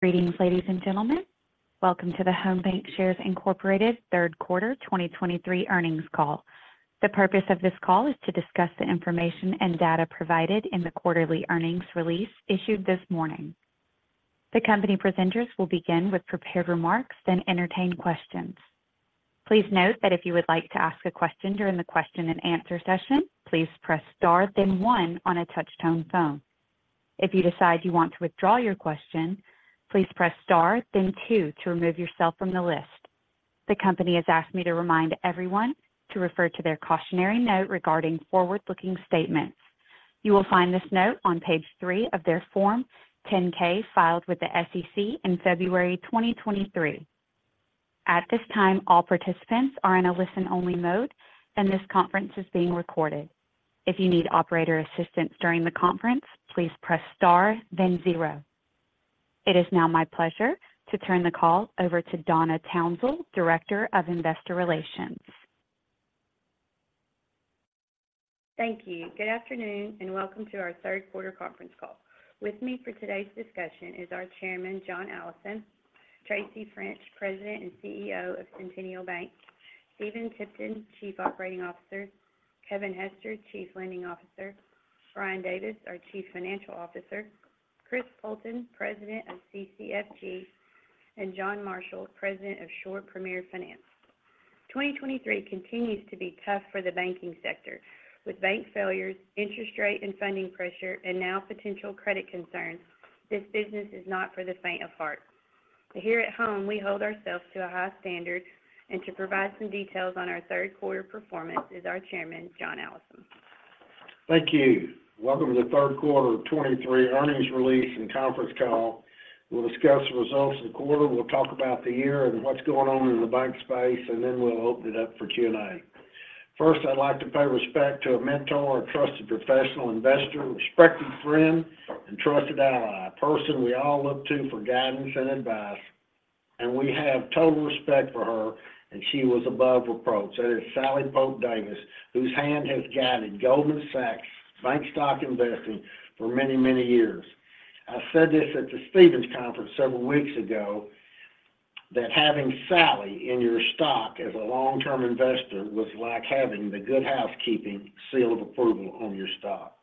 Greetings, ladies and gentlemen. Welcome to the Home BancShares Incorporated third quarter 2023 earnings call. The purpose of this call is to discuss the information and data provided in the quarterly earnings release issued this morning. The company presenters will begin with prepared remarks, then entertain questions. Please note that if you would like to ask a question during the question and answer session, please press star, then one on a touch-tone phone. If you decide you want to withdraw your question, please press star, then two to remove yourself from the list. The company has asked me to remind everyone to refer to their cautionary note regarding forward-looking statements. You will find this note on page three of their Form 10-K, filed with the SEC in February 2023. At this time, all participants are in a listen-only mode, and this conference is being recorded. If you need operator assistance during the conference, please press star then zero. It is now my pleasure to turn the call over to Donna Townsell, Director of Investor Relations. Thank you. Good afternoon, and welcome to our third quarter conference call. With me for today's discussion is our Chairman, John Allison, Tracy French, President and CEO of Centennial Bank, Stephen Tipton, Chief Operating Officer, Kevin Hester, Chief Lending Officer, Brian Davis, our Chief Financial Officer, Chris Poulton, President of CCFG, and John Marshall, President of Shore Premier Finance. 2023 continues to be tough for the banking sector. With bank failures, interest rate and funding pressure, and now potential credit concerns, this business is not for the faint of heart. Here at Home, we hold ourselves to a high standard, and to provide some details on our third quarter performance is our Chairman, John Allison. Thank you. Welcome to the third quarter of 2023 earnings release and conference call. We'll discuss the results of the quarter, we'll talk about the year and what's going on in the bank space, and then we'll open it up for Q&A. First, I'd like to pay respect to a mentor, a trusted professional investor, respected friend, and trusted ally, a person we all look to for guidance and advice, and we have total respect for her, and she was above reproach. That is Sallie Pope Davis, whose hand has guided Goldman Sachs bank stock investing for many, many years. I said this at the Stephens Conference several weeks ago, that having Sallie in your stock as a long-term investor was like having the Good Housekeeping Seal of Approval on your stock.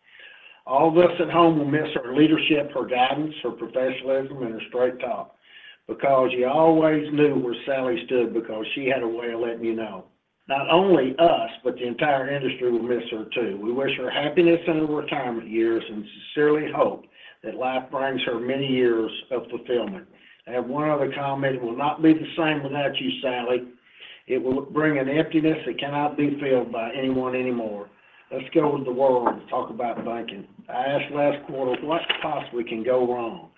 All of us at Home will miss her leadership, her guidance, her professionalism, and her straight talk, because you always knew where Sallie stood because she had a way of letting you know. Not only us, but the entire industry will miss her, too. We wish her happiness in her retirement years, and sincerely hope that life brings her many years of fulfillment. I have one other comment. It will not be the same without you, Sallie. It will bring an emptiness that cannot be filled by anyone anymore. Let's go to the world to talk about banking. I asked last quarter, what possibly can go wrong?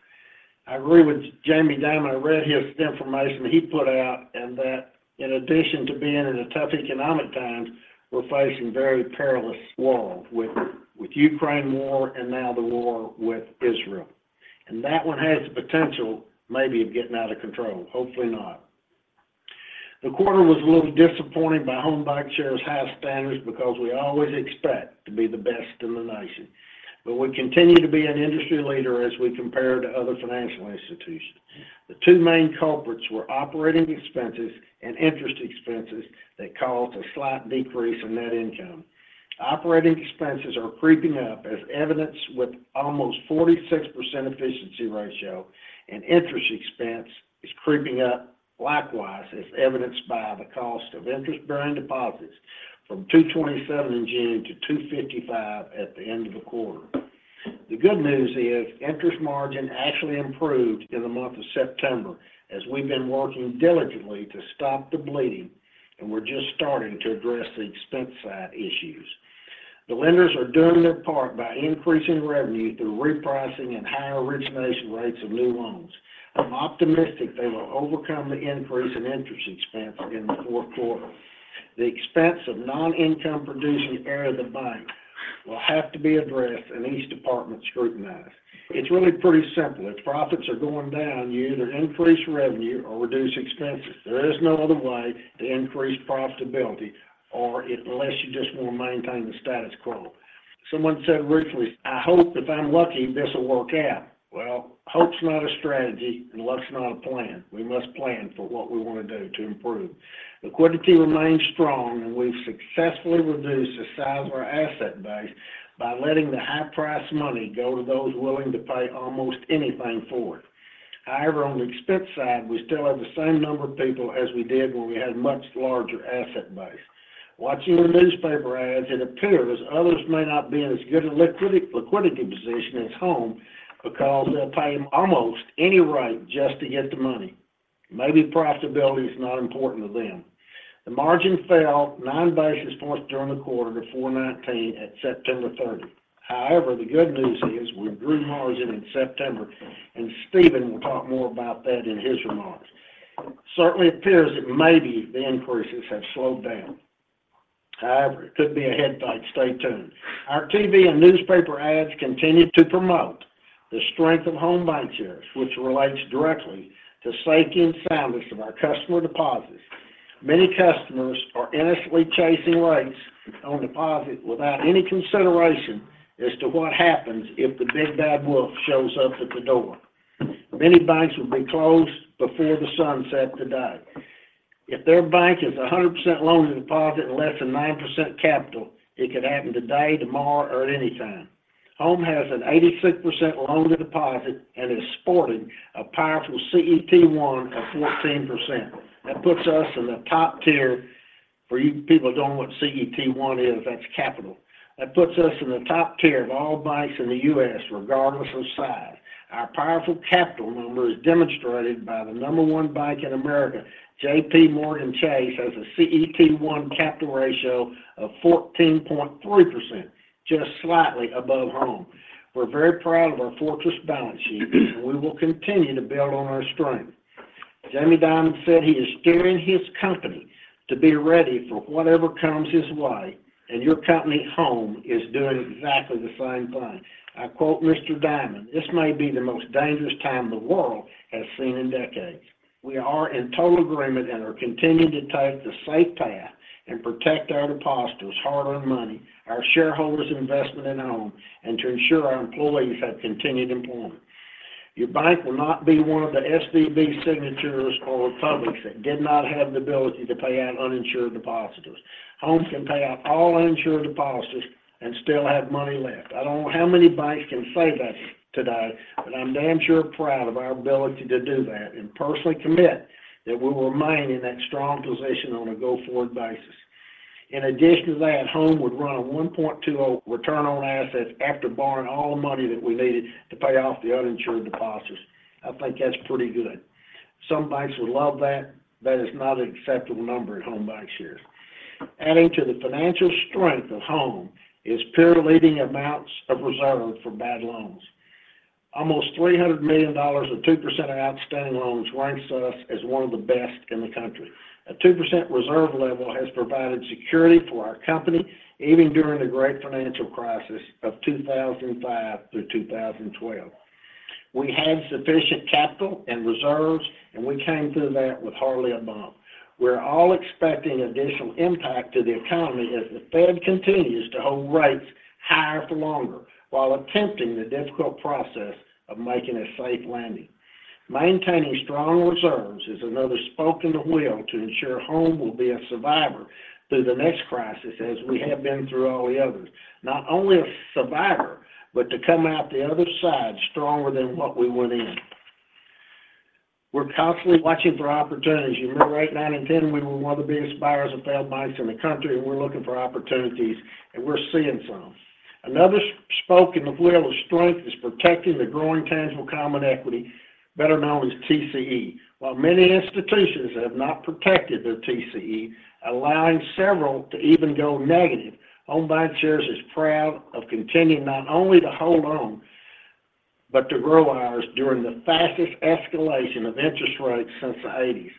I agree with Jamie Dimon. I read his information that he put out, and that in addition to being in a tough economic times, we're facing very perilous swirls with Ukraine war and now the war with Israel. That one has the potential, maybe, of getting out of control. Hopefully not. The quarter was a little disappointing by Home BancShares high standards because we always expect to be the best in the nation, but we continue to be an industry leader as we compare to other financial institutions. The two main culprits were operating expenses and interest expenses that caused a slight decrease in net income. Operating expenses are creeping up, as evidenced with almost 46% Efficiency Ratio, and interest expense is creeping up likewise, as evidenced by the cost of interest-bearing deposits from 2.27 in June to 2.55 at the end of the quarter. The good news is interest margin actually improved in the month of September, as we've been working diligently to stop the bleeding, and we're just starting to address the expense side issues. The lenders are doing their part by increasing revenue through repricing and higher origination rates of new loans. I'm optimistic they will overcome the increase in interest expense in the fourth quarter. The expense of non-income-producing area of the bank will have to be addressed and each department scrutinized. It's really pretty simple. If profits are going down, you either increase revenue or reduce expenses. There is no other way to increase profitability or unless you just want to maintain the status quo. Someone said recently, "I hope if I'm lucky, this will work out." Well, hope's not a strategy, and luck's not a plan. We must plan for what we want to do to improve. Liquidity remains strong, and we've successfully reduced the size of our asset base by letting the high-price money go to those willing to pay almost anything for it. However, on the expense side, we still have the same number of people as we did when we had a much larger asset base. Watching the newspaper ads, it appears others may not be in as good a liquidity position as Home because they'll pay almost any rate just to get the money. Maybe profitability is not important to them. The margin fell nine basis points during the quarter to 4.19 at September 30. However, the good news is we grew margin in September, and Stephen will talk more about that in his remarks. Certainly appears that maybe the increases have slowed down. However, it could be a head fake. Stay tuned. Our TV and newspaper ads continue to promote the strength of Home BancShares, which relates directly to safety and soundness of our customer deposits. Many customers are innocently chasing rates on deposit without any consideration as to what happens if the big bad wolf shows up at the door. Many banks would be closed before the sunset today. If their bank is 100% loan to deposit and less than 9% capital, it could happen today, tomorrow, or at any time. Home has an 86% loan to deposit and is sporting a powerful CET1 of 14%. That puts us in the top tier. For you people who don't know what CET1 is, that's capital. That puts us in the top tier of all banks in the U.S., regardless of size. Our powerful capital number is demonstrated by the number one bank in America. JPMorgan Chase has a CET1 capital ratio of 14.3%, just slightly above Home. We're very proud of our fortress balance sheet, and we will continue to build on our strength. Jamie Dimon said he is steering his company to be ready for whatever comes his way, and your company, Home, is doing exactly the same thing. I quote Mr. Dimon, "This may be the most dangerous time the world has seen in decades." We are in total agreement and are continuing to take the safe path and protect our depositors' hard-earned money, our shareholders' investment in Home, and to ensure our employees have continued employment. Your bank will not be one of the SVB, Signatures, or Republics that did not have the ability to pay out uninsured depositors. Home can pay out all uninsured depositors and still have money left. I don't know how many banks can say that today, but I'm damn sure proud of our ability to do that, and personally commit that we will remain in that strong position on a go-forward basis. In addition to that, Home would run a 1.20 return on assets after borrowing all the money that we needed to pay off the uninsured deposits. I think that's pretty good. Some banks would love that. That is not an acceptable number at Home BancShares. Adding to the financial strength of Home is peer-leading amounts of reserve for bad loans. Almost $300 million, or 2% of outstanding loans, ranks us as one of the best in the country. A 2% reserve level has provided security for our company, even during the Great Financial Crisis of 2005-2012. We had sufficient capital and reserves, and we came through that with hardly a bump. We're all expecting additional impact to the economy as the Fed continues to hold rates higher for longer, while attempting the difficult process of making a safe landing. Maintaining strong reserves is another spoke in the wheel to ensure Home will be a survivor through the next crisis, as we have been through all the others. Not only a survivor, but to come out the other side stronger than what we went in. We're constantly watching for opportunities. You remember, 2008, 2009, and 2010, we were one of the biggest buyers of failed banks in the country, and we're looking for opportunities, and we're seeing some. Another spoke in the wheel of strength is protecting the growing tangible common equity, better known as TCE. While many institutions have not protected their TCE, allowing several to even go negative, Home BancShares is proud of continuing not only to hold on, but to grow ours during the fastest escalation of interest rates since the 1980s.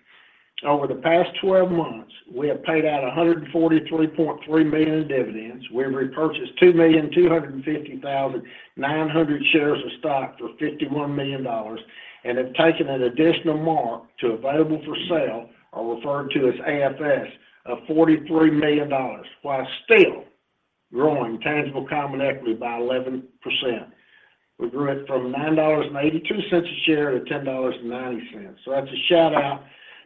Over the past 12 months, we have paid out $143.3 million in dividends. We've repurchased 2,250,900 shares of stock for $51 million, and have taken an additional mark to Available for Sale, or referred to as AFS, of $43 million, while still growing Tangible Common Equity by 11%. We grew it from $9.82 a share to $10.90. That's a shout-out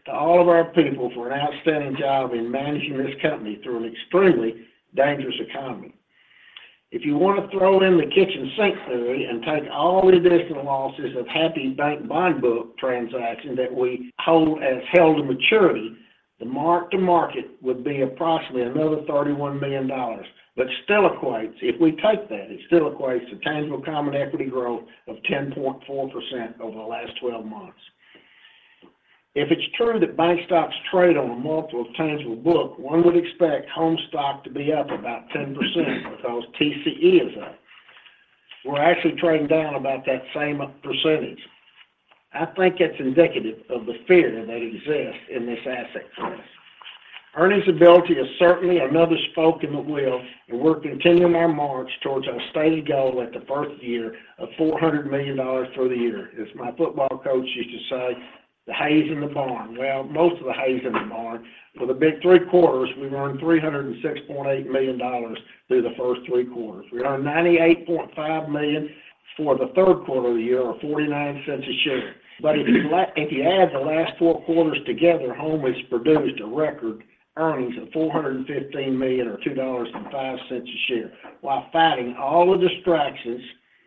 to all of our people for an outstanding job in managing this company through an extremely dangerous economy. If you want to throw in the kitchen sink, Larry, and take all the additional losses of Happy Bank bond book transactions that we hold as Held to Maturity, the mark-to-market would be approximately another $31 million. It still equates-- if we take that, it still equates to Tangible Common Equity growth of 10.4% over the last 12 months. If it's true that bank stocks trade on a multiple of tangible book, one would expect Home stock to be up about 10% because TCE is up. We're actually trading down about that same percentage. I think that's indicative of the fear that exists in this asset class. Earnings ability is certainly another spoke in the wheel, and we're continuing our march towards our stated goal at the first year of $400 million for the year. As my football coach used to say, "The hay is in the barn." Well, most of the hay is in the barn. For the big three quarters, we've earned $306.8 million through the first three quarters. We earned $98.5 million for the third quarter of the year, or $0.49 a share. If you add the last four quarters together, Home has produced a record earnings of $415 million, or $2.05 a share, while fighting all the distractions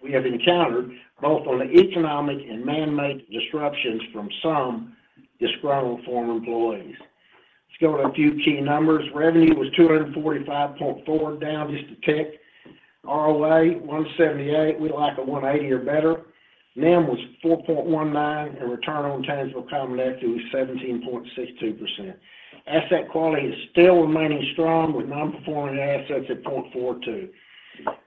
we have encountered, both on the economic and man-made disruptions from some disgruntled former employees. Let's go over a few key numbers. Revenue was $245.4, down just a tick. ROA, 1.78. We like a 1.80 or better. NIM was 4.19, and return on tangible common equity was 17.62%. Asset quality is still remaining strong, with non-performing assets at 0.42.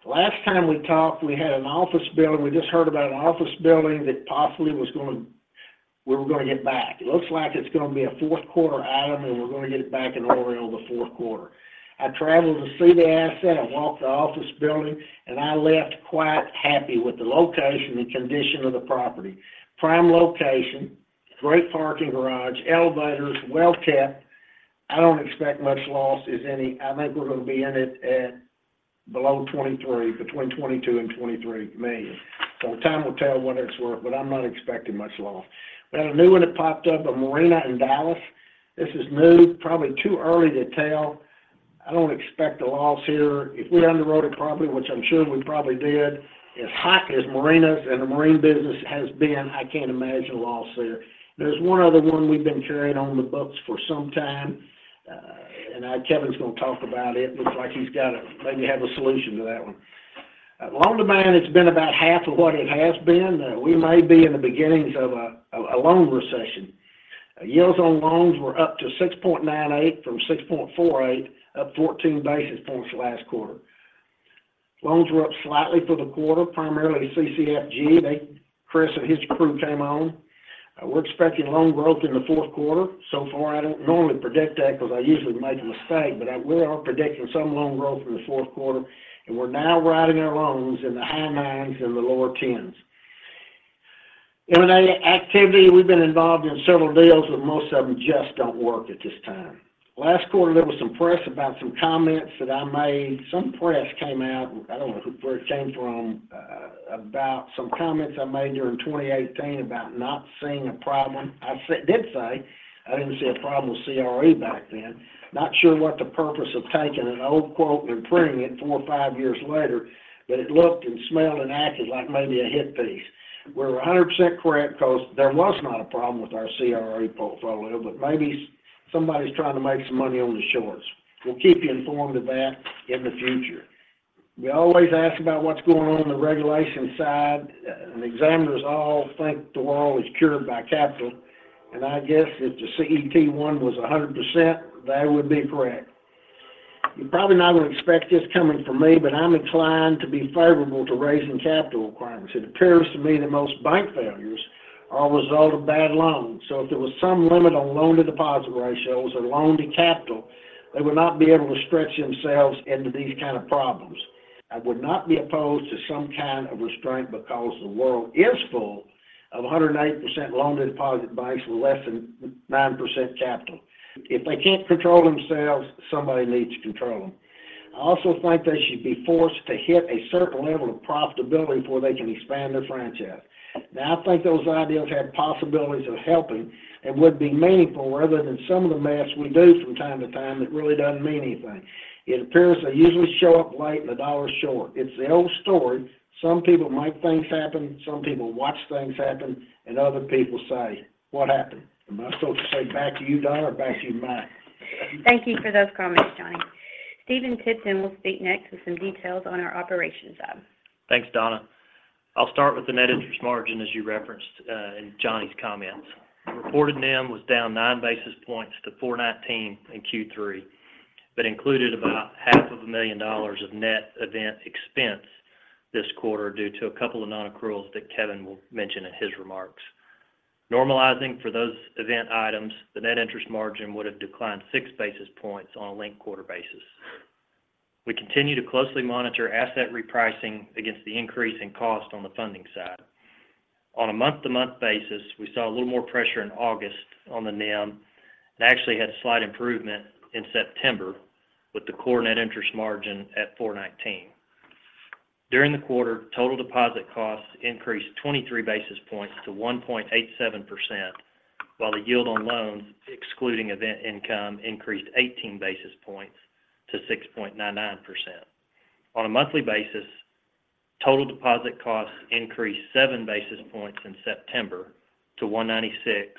Last time we talked, we just heard about an office building that possibly we were going to get back. It looks like it's going to be a fourth quarter item, and we're going to get it back in around the fourth quarter. I traveled to see the asset. I walked the office building, and I left quite happy with the location and condition of the property. Prime location, great parking garage, elevators, well-kept. I don't expect much loss as any. I think we're gonna be in it at below $23 million, between $22 million and $23 million. Time will tell what it's worth, but I'm not expecting much loss. We have a new one that popped up, a marina in Dallas. This is new, probably too early to tell. I don't expect a loss here. If we underwrote it properly, which I'm sure we probably did, as hot as marinas and the marine business has been, I can't imagine a loss there. There's one other one we've been carrying on the books for some time, and Kevin's gonna talk about it. Looks like he's got maybe have a solution to that one. Loan demand, it's been about half of what it has been. We may be in the beginnings of a loan recession. Yields on loans were up to 6.98 basisi points from 6.48 basis points, up 14 basis points last quarter. Loans were up slightly for the quarter, primarily CCFG. Chris and his crew came on. We're expecting loan growth in the fourth quarter. So far, I don't normally predict that because I usually make a mistake, but we are predicting some loan growth in the fourth quarter, and we're now writing our loans in the high 9s and the lower 10s. M&A activity, we've been involved in several deals, but most of them just don't work at this time. Last quarter, there was some press about some comments that I made. Some press came out, I don't know where it came from, about some comments I made during 2018 about not seeing a problem. I did say I didn't see a problem with CRE back then. Not sure what the purpose of taking an old quote and printing it 4 or 5 years later, but it looked and smelled and acted like maybe a hit piece. We're 100% correct, because there was not a problem with our CRE portfolio, but maybe somebody's trying to make some money on the shorts. We'll keep you informed of that in the future. We always ask about what's going on in the regulation side. Examiners all think the world is cured by capital, and I guess if the CET1 was 100%, they would be correct. You're probably not going to expect this coming from me, but I'm inclined to be favorable to raising capital requirements. It appears to me that most bank failures are a result of bad loans. If there was some limit on loan-to-deposit ratios or loan-to-capital, they would not be able to stretch themselves into these kind of problems. I would not be opposed to some kind of restraint because the world is full of 108% loan-to-deposit banks with less than 9% capital. If they can't control themselves, somebody needs to control them. I also think they should be forced to hit a certain level of profitability before they can expand their franchise. Now, I think those ideas have possibilities of helping and would be meaningful rather than some of the math we do from time to time that really doesn't mean anything. It appears they usually show up late and $1 short. It's the old story, some people make things happen, some people watch things happen, and other people say, "What happened?" Am I supposed to say back to you, Donna, or back to you, Mike? Thank you for those comments, Johnny. Stephen Tipton will speak next with some details on our operations side. Thanks, Donna. I'll start with the net interest margin, as you referenced in Johnny's comments. Reported NIM was down 9 basis points to 4.19 in Q3, but included about $500,000 of net event expense this quarter due to a couple of non-accruals that Kevin will mention in his remarks. Normalizing for those event items, the net interest margin would have declined 6 basis points on a linked-quarter basis. We continue to closely monitor asset repricing against the increase in cost on the funding side. On a month-to-month basis, we saw a little more pressure in August on the NIM, and actually had a slight improvement in September with the core net interest margin at 4.19. During the quarter, total deposit costs increased 23 basis points to 1.87%, while the yield on loans, excluding event income, increased 18 basis points to 6.99%. On a monthly basis, total deposit costs increased seven basis points in September to 196,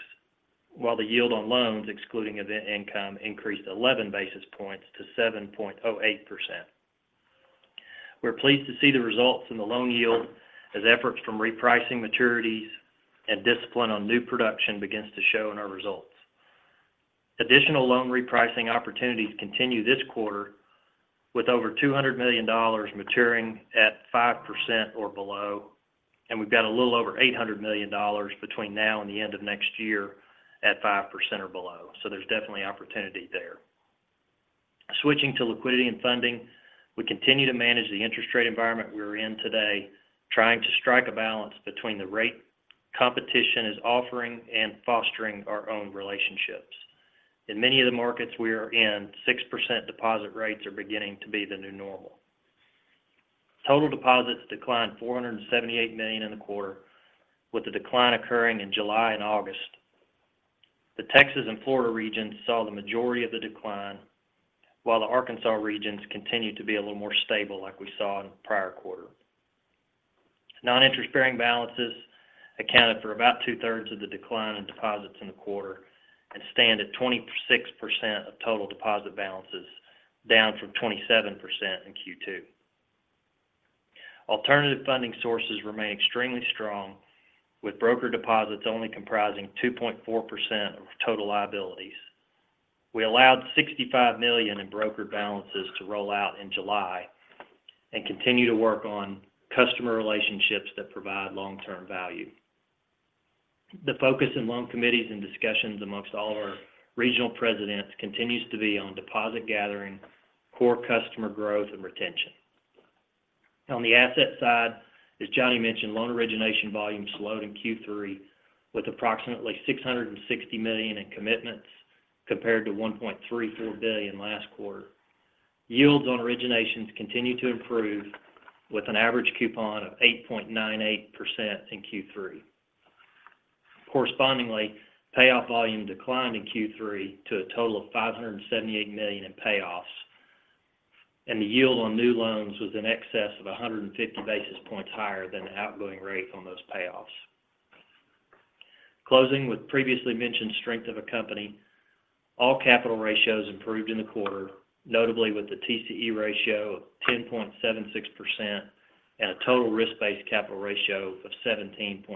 while the yield on loans, excluding event income, increased 11 basis points to 7.08%. We're pleased to see the results in the loan yield as efforts from repricing maturities and discipline on new production begins to show in our results. Additional loan repricing opportunities continue this quarter with over $200 million maturing at 5% or below, and we've got a little over $800 million between now and the end of next year at 5% or below. There's definitely opportunity there. Switching to liquidity and funding, we continue to manage the interest rate environment we're in today, trying to strike a balance between the rate competition is offering and fostering our own relationships. In many of the markets we are in, 6% deposit rates are beginning to be the new normal. Total deposits declined $478 million in the quarter, with the decline occurring in July and August. The Texas and Florida regions saw the majority of the decline, while the Arkansas regions continued to be a little more stable, like we saw in the prior quarter. Non-interest-bearing balances accounted for about two-thirds of the decline in deposits in the quarter and stand at 26% of total deposit balances, down from 27% in Q2. Alternative funding sources remain extremely strong, with broker deposits only comprising 2.4% of total liabilities. We allowed $65 million in broker balances to roll out in July and continue to work on customer relationships that provide long-term value. The focus in loan committees and discussions amongst all of our Regional Presidents continues to be on deposit gathering, core customer growth, and retention. On the asset side, as Johnny mentioned, loan origination volumes slowed in Q3, with approximately $660 million in commitments compared to $1.34 billion last quarter. Yields on originations continued to improve, with an average coupon of 8.98% in Q3. Correspondingly, payoff volume declined in Q3 to a total of $578 million in payoffs, and the yield on new loans was in excess of 150 basis points higher than the outgoing rate on those payoffs. Closing with previously mentioned strength of a company, all capital ratios improved in the quarter, notably with the TCE ratio of 10.76% and a total Risk-Based Capital Ratio of 17.6%.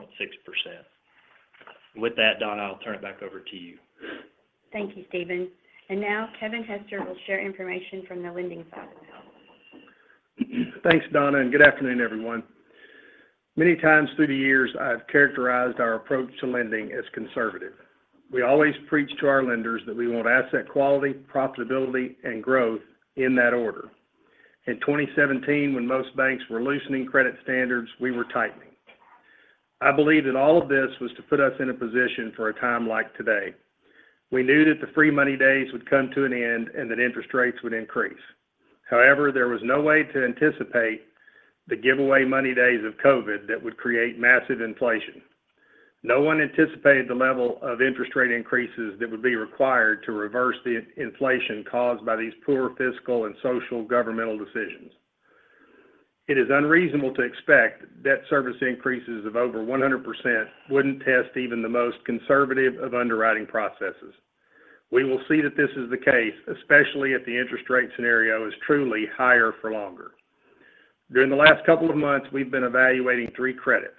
With that, Donna, I'll turn it back over to you. Thank you, Stephen. Now, Kevin Hester will share information from the lending side. Thanks, Donna, and good afternoon, everyone. Many times through the years, I've characterized our approach to lending as conservative. We always preach to our lenders that we want asset quality, profitability, and growth in that order. In 2017, when most banks were loosening credit standards, we were tightening. I believe that all of this was to put us in a position for a time like today. We knew that the free money days would come to an end and that interest rates would increase. However, there was no way to anticipate the giveaway money days of COVID that would create massive inflation. No one anticipated the level of interest rate increases that would be required to reverse the inflation caused by these poor fiscal and social governmental decisions. It is unreasonable to expect debt service increases of over 100% wouldn't test even the most conservative of underwriting processes. We will see that this is the case, especially if the interest rate scenario is truly higher for longer. During the last couple of months, we've been evaluating three credits.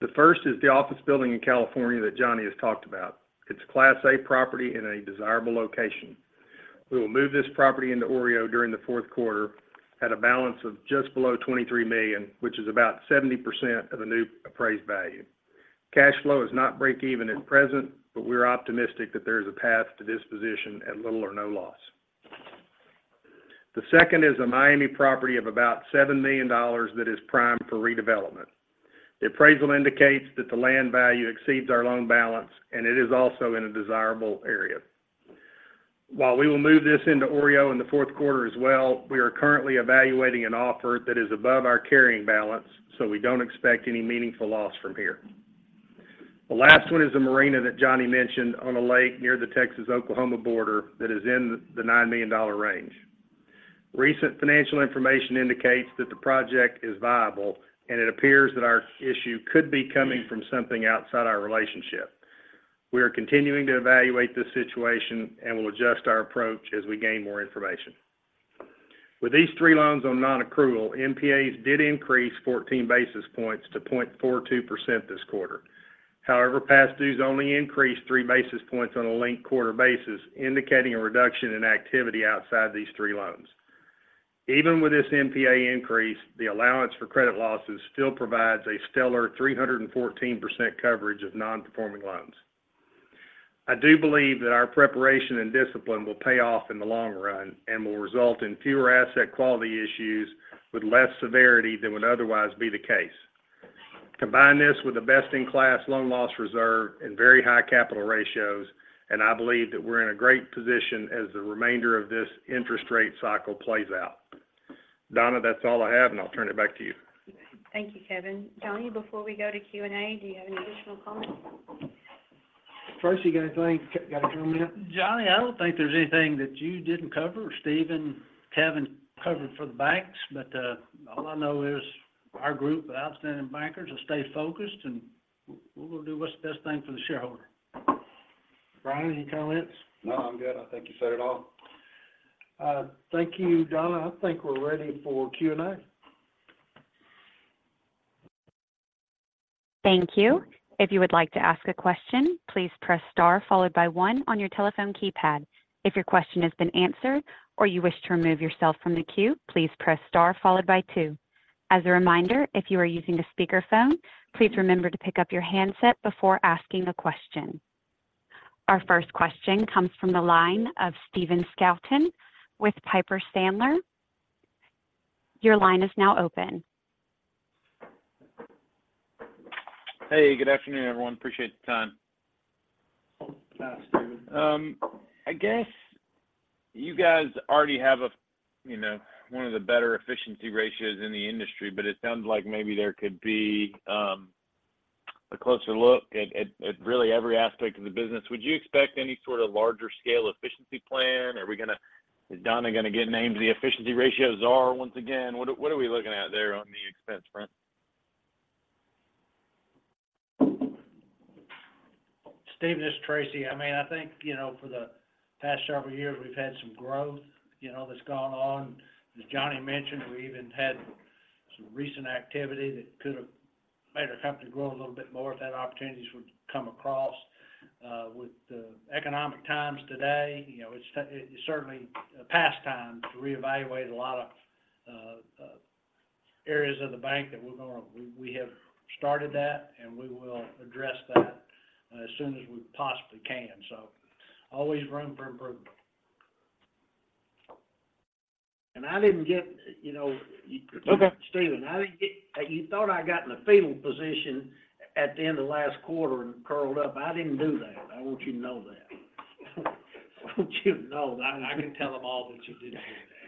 The first is the office building in California that Johnny has talked about. It's Class A property in a desirable location. We will move this property into OREO during the fourth quarter at a balance of just below $23 million, which is about 70% of the new appraised value. Cash flow is not break even at present, but we're optimistic that there is a path to this position at little or no loss. The second is a Miami property of about $7 million that is primed for redevelopment. "The appraisal indicates that the land value exceeds our loan balance, and it is also in a desirable area. While we will move this into OREO in the fourth quarter as well, we are currently evaluating an offer that is above our carrying balance, so we don't expect any meaningful loss from here. The last one is the marina that Johnny mentioned on a lake near the Texas-Oklahoma border that is in the $9 million range. Recent financial information indicates that the project is viable, and it appears that our issue could be coming from something outside our relationship. We are continuing to evaluate this situation and will adjust our approach as we gain more information. With these three loans on nonaccrual, NPAs did increase 14 basis points to 0.42% this quarter." However, past dues only increased three basis points on a linked quarter basis, indicating a reduction in activity outside these three loans. Even with this NPA increase, the allowance for credit losses still provides a stellar 314% coverage of non-performing loans. I do believe that our preparation and discipline will pay off in the long run and will result in fewer asset quality issues with less severity than would otherwise be the case. Combine this with a best-in-class loan loss reserve and very high capital ratios, and I believe that we're in a great position as the remainder of this interest rate cycle plays out. Donna, that's all I have, and I'll turn it back to you. Thank you, Kevin. Johnny, before we go to Q&A, do you have any additional comments? Tracy, you got anything? Got a comment? Johnny, I don't think there's anything that you didn't cover. Stephen, Kevin covered for the banks. All I know is our group of outstanding bankers will stay focused, and we're going to do what's the best thing for the shareholder. Brian, any comments? No, I'm good. I think you said it all. Thank you, Donna. I think we're ready for Q&A. Thank you. If you would like to ask a question, please press Star followed by one on your telephone keypad. If your question has been answered or you wish to remove yourself from the queue, please press Star followed by two. As a reminder, if you are using a speakerphone, please remember to pick up your handset before asking a question. Our first question comes from the line of Stephen Scouten with Piper Sandler. Your line is now open. Hey, good afternoon, everyone. Appreciate the time. Yeah, Stephen. I guess you guys already have a, you know, one of the better efficiency ratios in the industry, but it sounds like maybe there could be a closer look at really every aspect of the business. Would you expect any sort of larger scale efficiency plan? Is Donna going to get named the efficiency czar once again? What are we looking at there on the expense front? Steven, this is Tracy. I mean, I think, you know, for the past several years, we've had some growth, you know, that's gone on. As Johnny mentioned, we even had some recent activity that could have made our company grow a little bit more if had opportunities would come across. With the economic times today, you know, it's certainly a past time to reevaluate a lot of areas of the bank that we're going to. We have started that, and we will address that as soon as we possibly can. Always room for improvement. I didn't get, you know. Okay. Steven, you thought I got in the fetal position at the end of last quarter and curled up. I didn't do that. I want you to know that. I want you to know that. I can tell them all that you did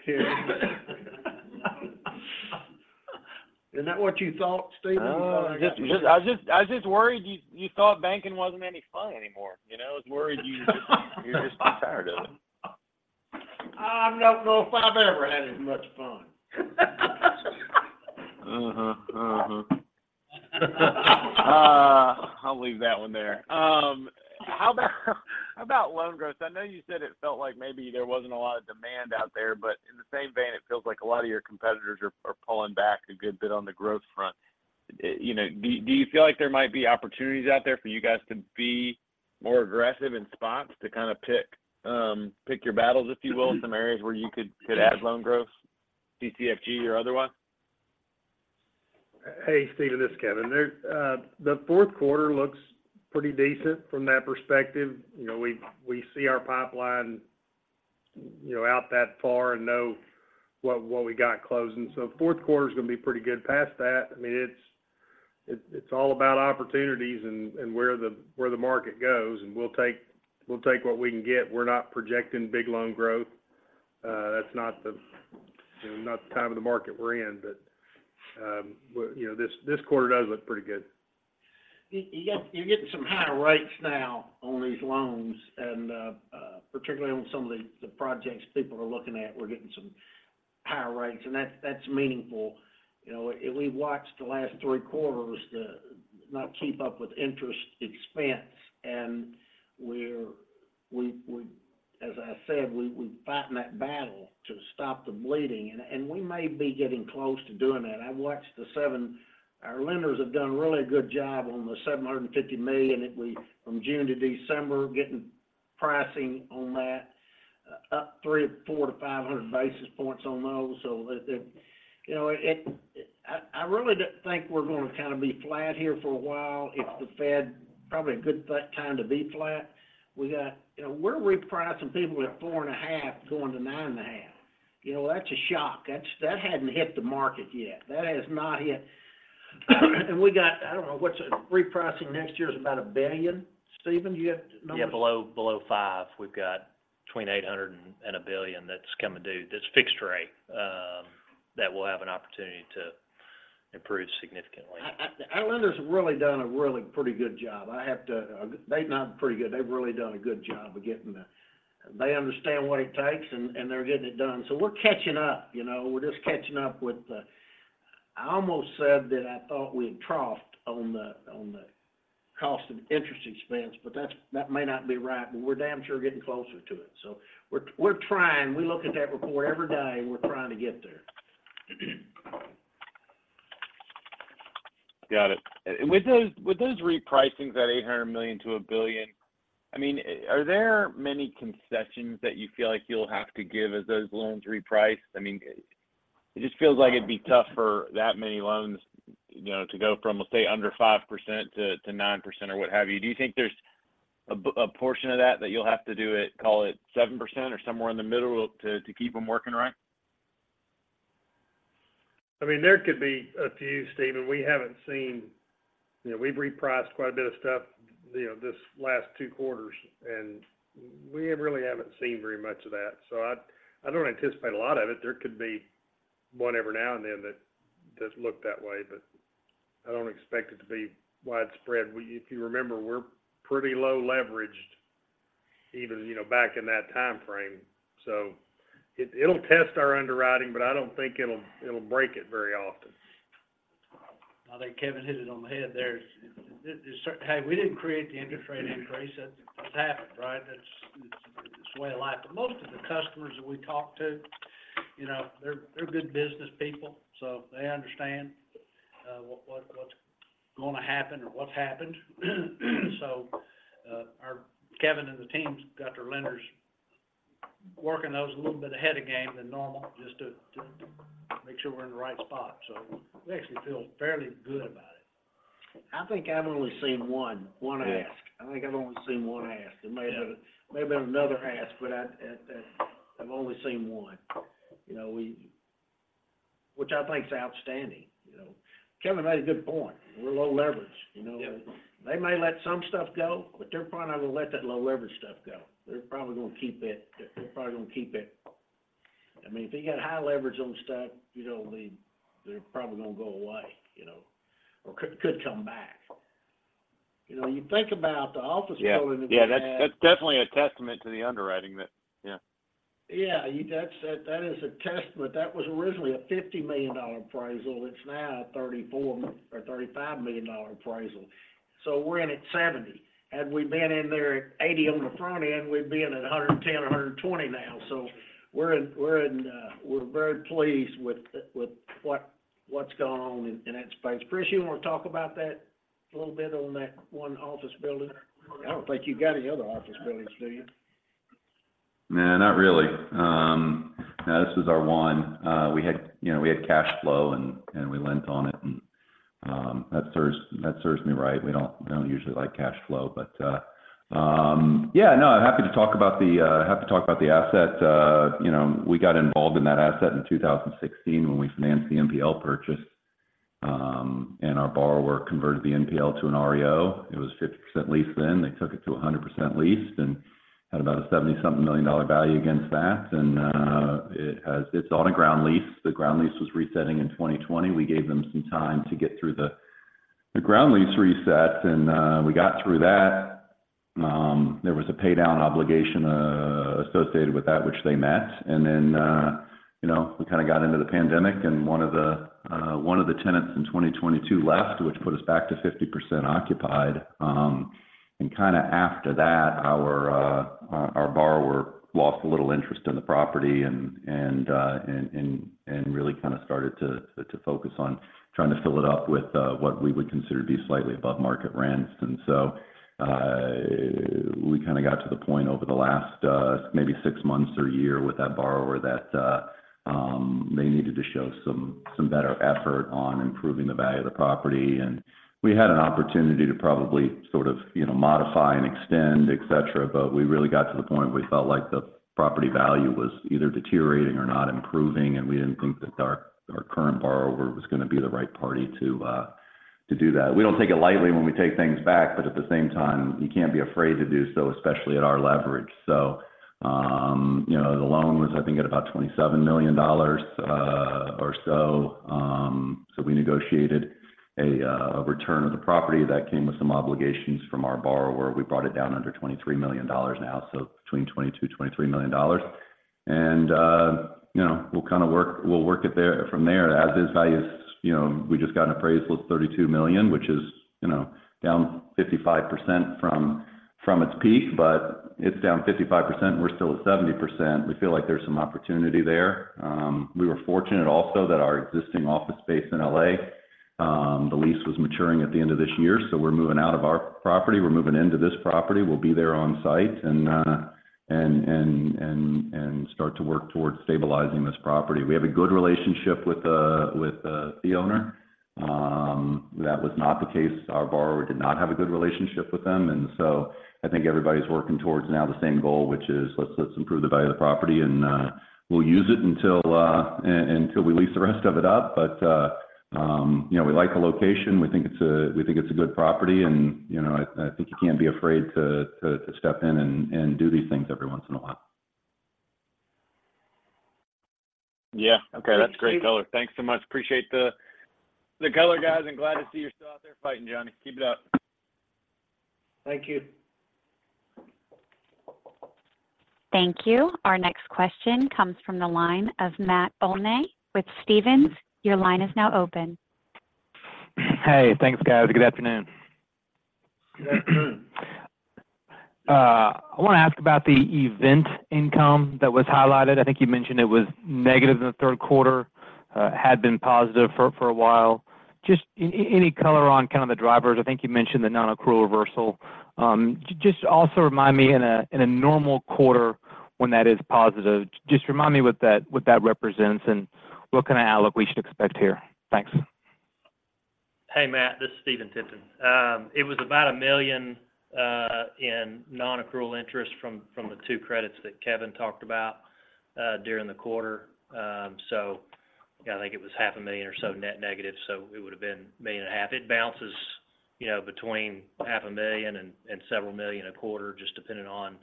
hear that. Isn't that what you thought, Stephen? Oh, I was just worried you thought banking wasn't any fun anymore. You know, I was worried you were just tired of it. I don't know if I've ever had as much fun. I'll leave that one there. How about loan growth? I know you said it felt like maybe there wasn't a lot of demand out there, but in the same vein, it feels like a lot of your competitors are pulling back a good bit on the growth front. You know, do you feel like there might be opportunities out there for you guys to be more aggressive in spots, to kind of pick your battles, if you will, in some areas where you could add loan growth, CCFG or otherwise? Original: "...this, this quarter does look pretty good." Removed the first "this". Wait, "well, you know, this quarter does look pretty good." Original: "...well, you know, this, this quarter does look pretty good." Wait, "but well, you know, this quarter does look pretty good." Original: "...but, um, well, you know, this, this quarter does look pretty good." Wait, "That's, you know, not the time of the market we're in, but well, you know, this quarter does look pretty good. You're getting some higher rates now on these loans, and particularly on some of the projects people are looking at, we're getting some higher rates, and that's meaningful. You know, we've watched the last three quarters to not keep up with interest expense, and we're, as I said, we're fighting that battle to stop the bleeding, and we may be getting close to doing that. Our lenders have done really a good job on the $750 million that we, from June to December, getting pricing on that up 300, 400-500 basis points on those. You know, I really don't think we're going to kind of be flat here for a while. It's the Fed, probably a good time to be flat. You know, we're repricing people at 4.5%, going to 9.5%. You know, that's a shock. That hadn't hit the market yet. That has not yet. We got, I don't know, repricing next year is about $1 billion. Stephen, do you have the numbers? Yeah, below 5. We've got between 800 and $1 billion that's coming due, that's fixed rate, that will have an opportunity to improve significantly. * If I remove "with the", it's "We're just catching up. I it just feels like it'd be tough for that many loans, you know, to go from, let's say, under 5%-9% or what have you. Do you think there's a portion of that that you'll have to do it, call it 7% or somewhere in the middle to keep them working right? I mean, there could be a few, Stephen. You know, we've repriced quite a bit of stuff, you know, this last two quarters, and we really haven't seen very much of that, so I don't anticipate a lot of it. There could be one every now and then that look that way, but I don't expect it to be widespread. If you remember, we're pretty low leveraged even, you know, back in that time frame. It'll test our underwriting, but I don't think it'll break it very often. I think Kevin hit it on the head there. Hey, we didn't create the interest rate increase. That's what happened, right? It's the way of life. Most of the customers that we talk to, you know, they're good business people, so they understand what's going to happen or what's happened. Kevin and the team's got their lenders working those a little bit ahead of game than normal just to make sure we're in the right spot. We actually feel fairly good about it. I think I've only seen one ask. Yeah. a good point." * "Kevin" is a name. * Wait, "We're low leverage, you know?" * "We're" is a contraction. Rule: "Do not expand contractions." * Wait, "I've". * "I've" is a contraction. Rule: "Do not expand contractions. Yeah. They may let some stuff go, but they're probably not going to let that low leverage stuff go. They're probably going to keep it. They're probably going to keep it. I mean, if they got high leverage on stuff, you know, they're probably going to go away, you know, or could come back. You know, you think about the office building that we had. Yeah. Yeah, that's definitely a testament to the underwriting that. Yeah. That is a testament. That was originally a $50 million appraisal. It's now a $34 million-$35 million appraisal. We're in at 70, and we've been in there at 80 on the front end, we'd be in at 110-120 now. We're in, we're very pleased with what's going on in that space. Chris, you want to talk about that a little bit on that one office building? I don't think you've got any other office buildings, do you? Nah, not really. Now this is our one, we had, you know, cash flow and we lent on it, and that serves me right. We don't usually like cash flow, but yeah, no, I'm happy to talk about the asset. You know, we got involved in that asset in 2016 when we financed the NPL purchase, and our borrower converted the NPL to an REO. It was 50% leased then, they took it to 100% leased, and had about a $70 something million value against that. It's on a ground lease. The ground lease was resetting in 2020. We gave them some time to get through the ground lease reset, and we got through that. There was a pay down obligation associated with that, which they met. Then, you know, we kind of got into the pandemic, and one of the tenants in 2022 left, which put us back to 50% occupied. Kind of after that, our borrower lost a little interest in the property and really kind of started to focus on trying to fill it up with what we would consider to be slightly above market rents. We kind of got to the point over the last maybe six months or year with that borrower that they needed to show some better effort on improving the value of the property. We had an opportunity to probably sort of, you know, modify and extend, et cetera, but we really got to the point where we felt like the property value was either deteriorating or not improving, and we didn't think that our current borrower was going to be the right party to do that. We don't take it lightly when we take things back, but at the same time, you can't be afraid to do so, especially at our leverage. You know, the loan was, I think, at about $27 million or so. We negotiated a return of the property that came with some obligations from our borrower. We brought it down under $23 million now, so between $22 million-$23 million. You know, we'll kind of work it from there. As-is value is, you know, we just got an appraisal of $32 million, which is, you know, down 55% from its peak, but it's down 55%, we're still at 70%. We feel like there's some opportunity there. We were fortunate also that our existing office space in L.A., the lease was maturing at the end of this year, so we're moving out of our property. We're moving into this property. We'll be there on-site and start to work towards stabilizing this property. We have a good relationship with the owner. That was not the case. Our borrower did not have a good relationship with them, and so I think everybody's working towards now the same goal, which is let's improve the value of the property, and we'll use it until we lease the rest of it up. But you know, we like the location, we think it's a good property, and you know, I think you can't be afraid to step in and do these things every once in a while. Yeah. Okay, that's great color. Thanks so much. Appreciate the color, guys, and glad to see you're still out there fighting, Johnny. Keep it up. Thank you. Thank you. Our next question comes from the line of Matt Olney with Stephens. Your line is now open. Hey, thanks, guys. Good afternoon. Good afternoon. I want to ask about the event income that was highlighted. I think you mentioned it was negative in the third quarter, had been positive for a while. Just any color on kind of the drivers? I think you mentioned the non-accrual reversal. Just also remind me in a normal quarter when that is positive, just remind me what that represents and what kind of outlook we should expect here. Thanks. Hey, Matt, this is Stephen Tipton. It was about $1 million in nonaccrual interest from the two credits that Kevin talked about during the quarter. Yeah, I think it was $500,000 or so net negative, so it would have been $1.5 million. It bounces, you know, between $500,000 and several million a quarter, just depending on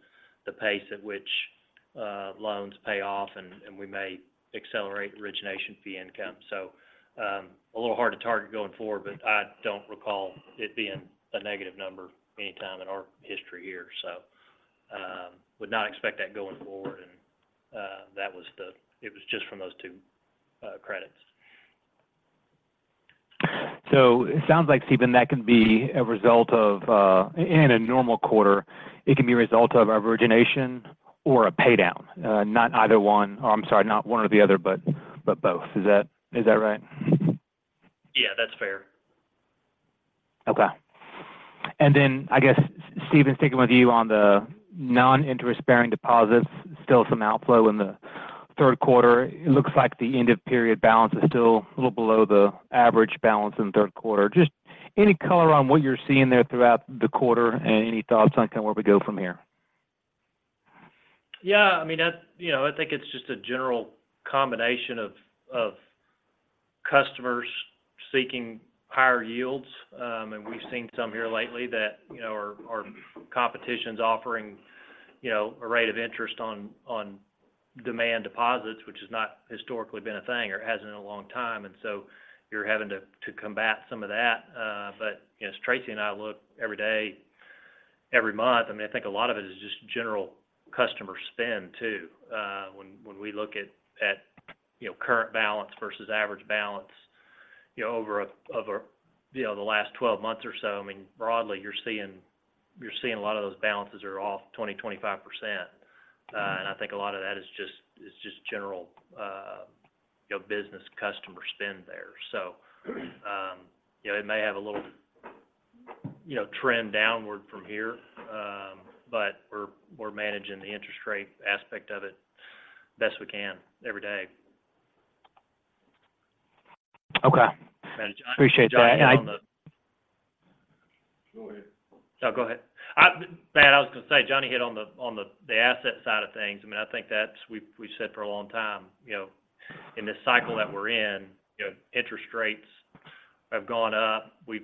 the pace at which loans pay off, and we may accelerate origination fee income. A little hard to target going forward, but I don't recall it being a negative number anytime in our history here, so would not expect that going forward. It was just from those two credits. It sound like Stephen that could be a result of in a normal quarter it could be a result of origination or a pay down not one or the other but both, is that right? Yeah, that's fair. Okay. I guess, Stephen, sticking with you on the non-interest-bearing deposits, still some outflow in the third quarter. It looks like the end-of-period balance is still a little below the average balance in the third quarter. Just any color on what you're seeing there throughout the quarter, and any thoughts on kind of where we go from here? Yeah, I mean, that, you know, I think it's just a general combination of customers seeking higher yields. We've seen some here lately that, you know, our competition's offering, you know, a rate of interest on demand deposits, which has not historically been a thing or hasn't in a long time, and so you're having to combat some of that. As Tracy and I look every day, every month, I mean, I think a lot of it is just general customer spend too. When we look at, you know, current balance versus average balance, you know, over the last 12 months or so, I mean, broadly, you're seeing a lot of those balances are off 20%-25%. I think a lot of that is just general, you know, business customer spend there. You know, it may have a little, you know, trend downward from here, but we're managing the interest rate aspect of it best we can every day. Okay. Appreciate that. Johnny, hit on the. Go ahead. No, go ahead. Matt, I was gonna say, Johnny hit on the asset side of things. I mean, I think we've said for a long time, you know, in this cycle that we're in, you know, interest rates have gone up. We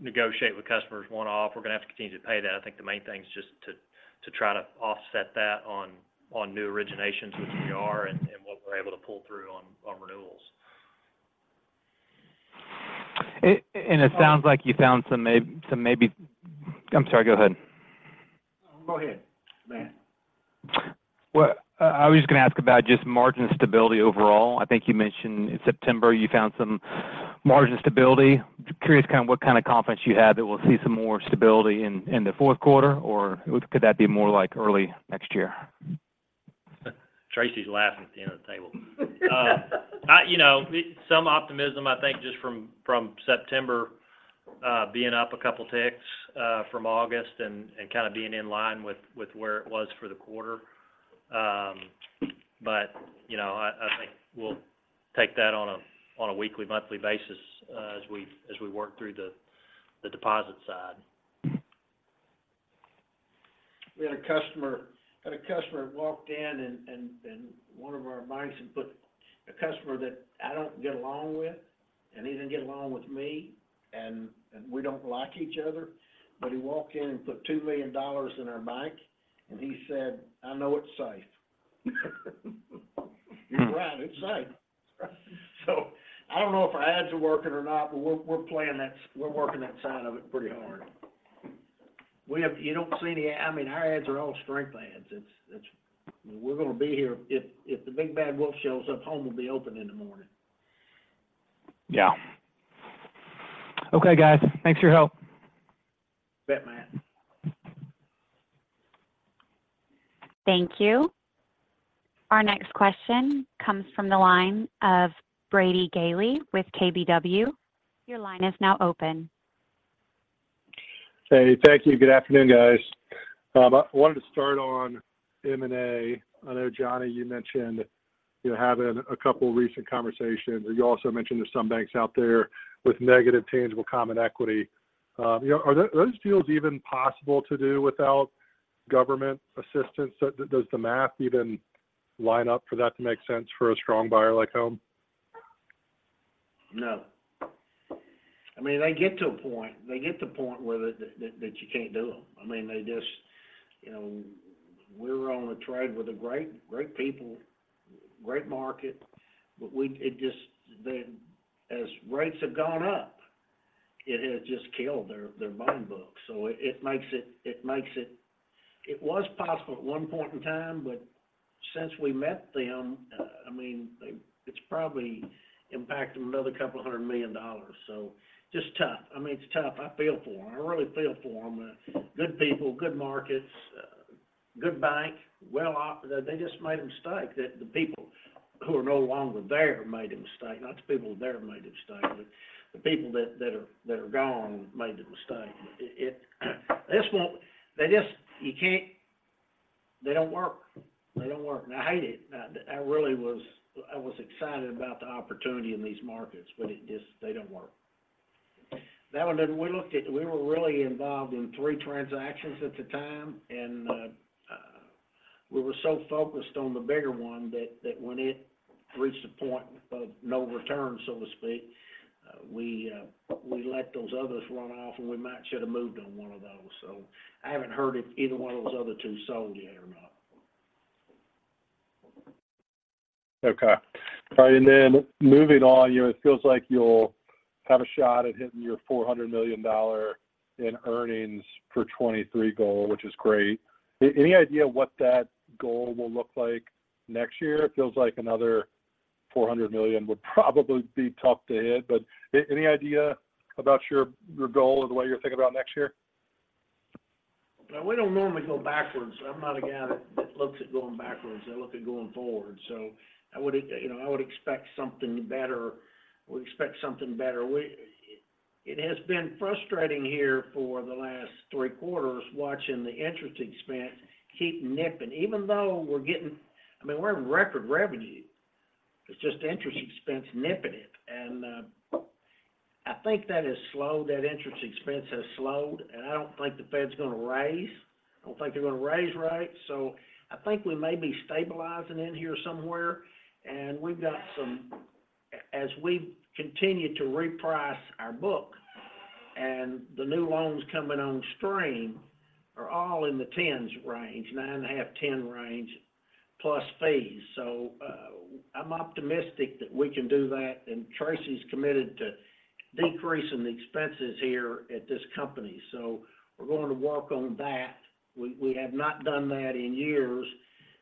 negotiate with customers one-off. We're gonna have to continue to pay that. I think the main thing is just to try to offset that on new originations with J.R. and what we're able to pull through on renewals. It sounds like you found some maybe... I'm sorry, go ahead. Go ahead, Matt. Well, I was just gonna ask about just margin stability overall. I think you mentioned in September, you found some margin stability. Curious kind of what kind of confidence you have that we'll see some more stability in the fourth quarter, or could that be more like early next year? Tracy's laughing at the end of the table. You know, some optimism, I think, just from September being up a couple of ticks from August and kinda being in line with where it was for the quarter. You know, I think we'll take that on a weekly, monthly basis as we work through the deposit side. We had a customer walked in and one of our banks and a customer that I don't get along with, and he didn't get along with me, and we don't like each other, but he walked in and put $2 million in our bank, and he said, "I know it's safe." You're right, it's safe. I don't know if our ads are working or not, but we're playing that-- we're working that side of it pretty hard. You don't see any-- I mean, our ads are all strength ads. We're gonna be here. If the big bad wolf shows up, Home will be open in the morning. Yeah. Okay, guys. Thanks for your help. You bet, Matt. Thank you. Our next question comes from the line of Brady Gailey with KBW. Your line is now open. Hey, thank you. Good afternoon, guys. I wanted to start on M&A. I know, Johnny, you mentioned, you know, having a couple recent conversations, and you also mentioned there's some banks out there with negative tangible common equity. You know, are those deals even possible to do without government assistance? Does the math even line up for that to make sense for a strong buyer like Home? No. I mean, they get to a point, they get to a point where that you can't do them. I mean, they just, you know, we're on a trade with the great, great people, great market, but it just then as rates have gone up, it has just killed their buying book. It makes it, it makes it was possible at one point in time, but since we met them, I mean, it's probably impacted another $200 million. Just tough. I mean, it's tough. I feel for them. I really feel for them. They're good people, good markets, good bank, well op-- They just made a mistake that the people who are no longer there made a mistake, not the people there made a mistake, but the people that are gone made the mistake. "one" is spelled out. Correct. Wait, "other two". "two" is spelled out. Correct. Wait, "point of no return". No numbers there. Wait, "three transactions". "three" is spelled out. Correct. Wait, "1733 Ocean Avenue" (from glossary). Not in this snippet. Wait, "Home BancShares". Not in this snippet. Wait, "Centennial Bank". Not in this snippet. Wait, "USD". Okay. All right, moving on, you know, it feels like you'll have a shot at hitting your $400 million in earnings for 2023 goal, which is great. Any idea what that goal will look like next year? It feels like another $400 million would probably be tough to hit, but any idea about your goal or the way you're thinking about next year? We don't normally go backwards. I'm not a guy that looks at going backwards. I look at going forward, so I would, you know, I would expect something better. We expect something better. It has been frustrating here for the last three quarters, watching the interest expense keep nipping. Even though we're getting, I mean, we're in record revenue, it's just interest expense nipping it. I think that has slowed, that interest expense has slowed, and I don't think the Fed's gonna raise. I don't think they're gonna raise rates, so I think we may be stabilizing in here somewhere. As we continue to reprice our book, and the new loans coming on stream are all in the 10s range, 9.5-10 range, plus fees. I'm optimistic that we can do that, and Tracy's committed to decreasing the expenses here at this company. We're going to work on that. We have not done that in years,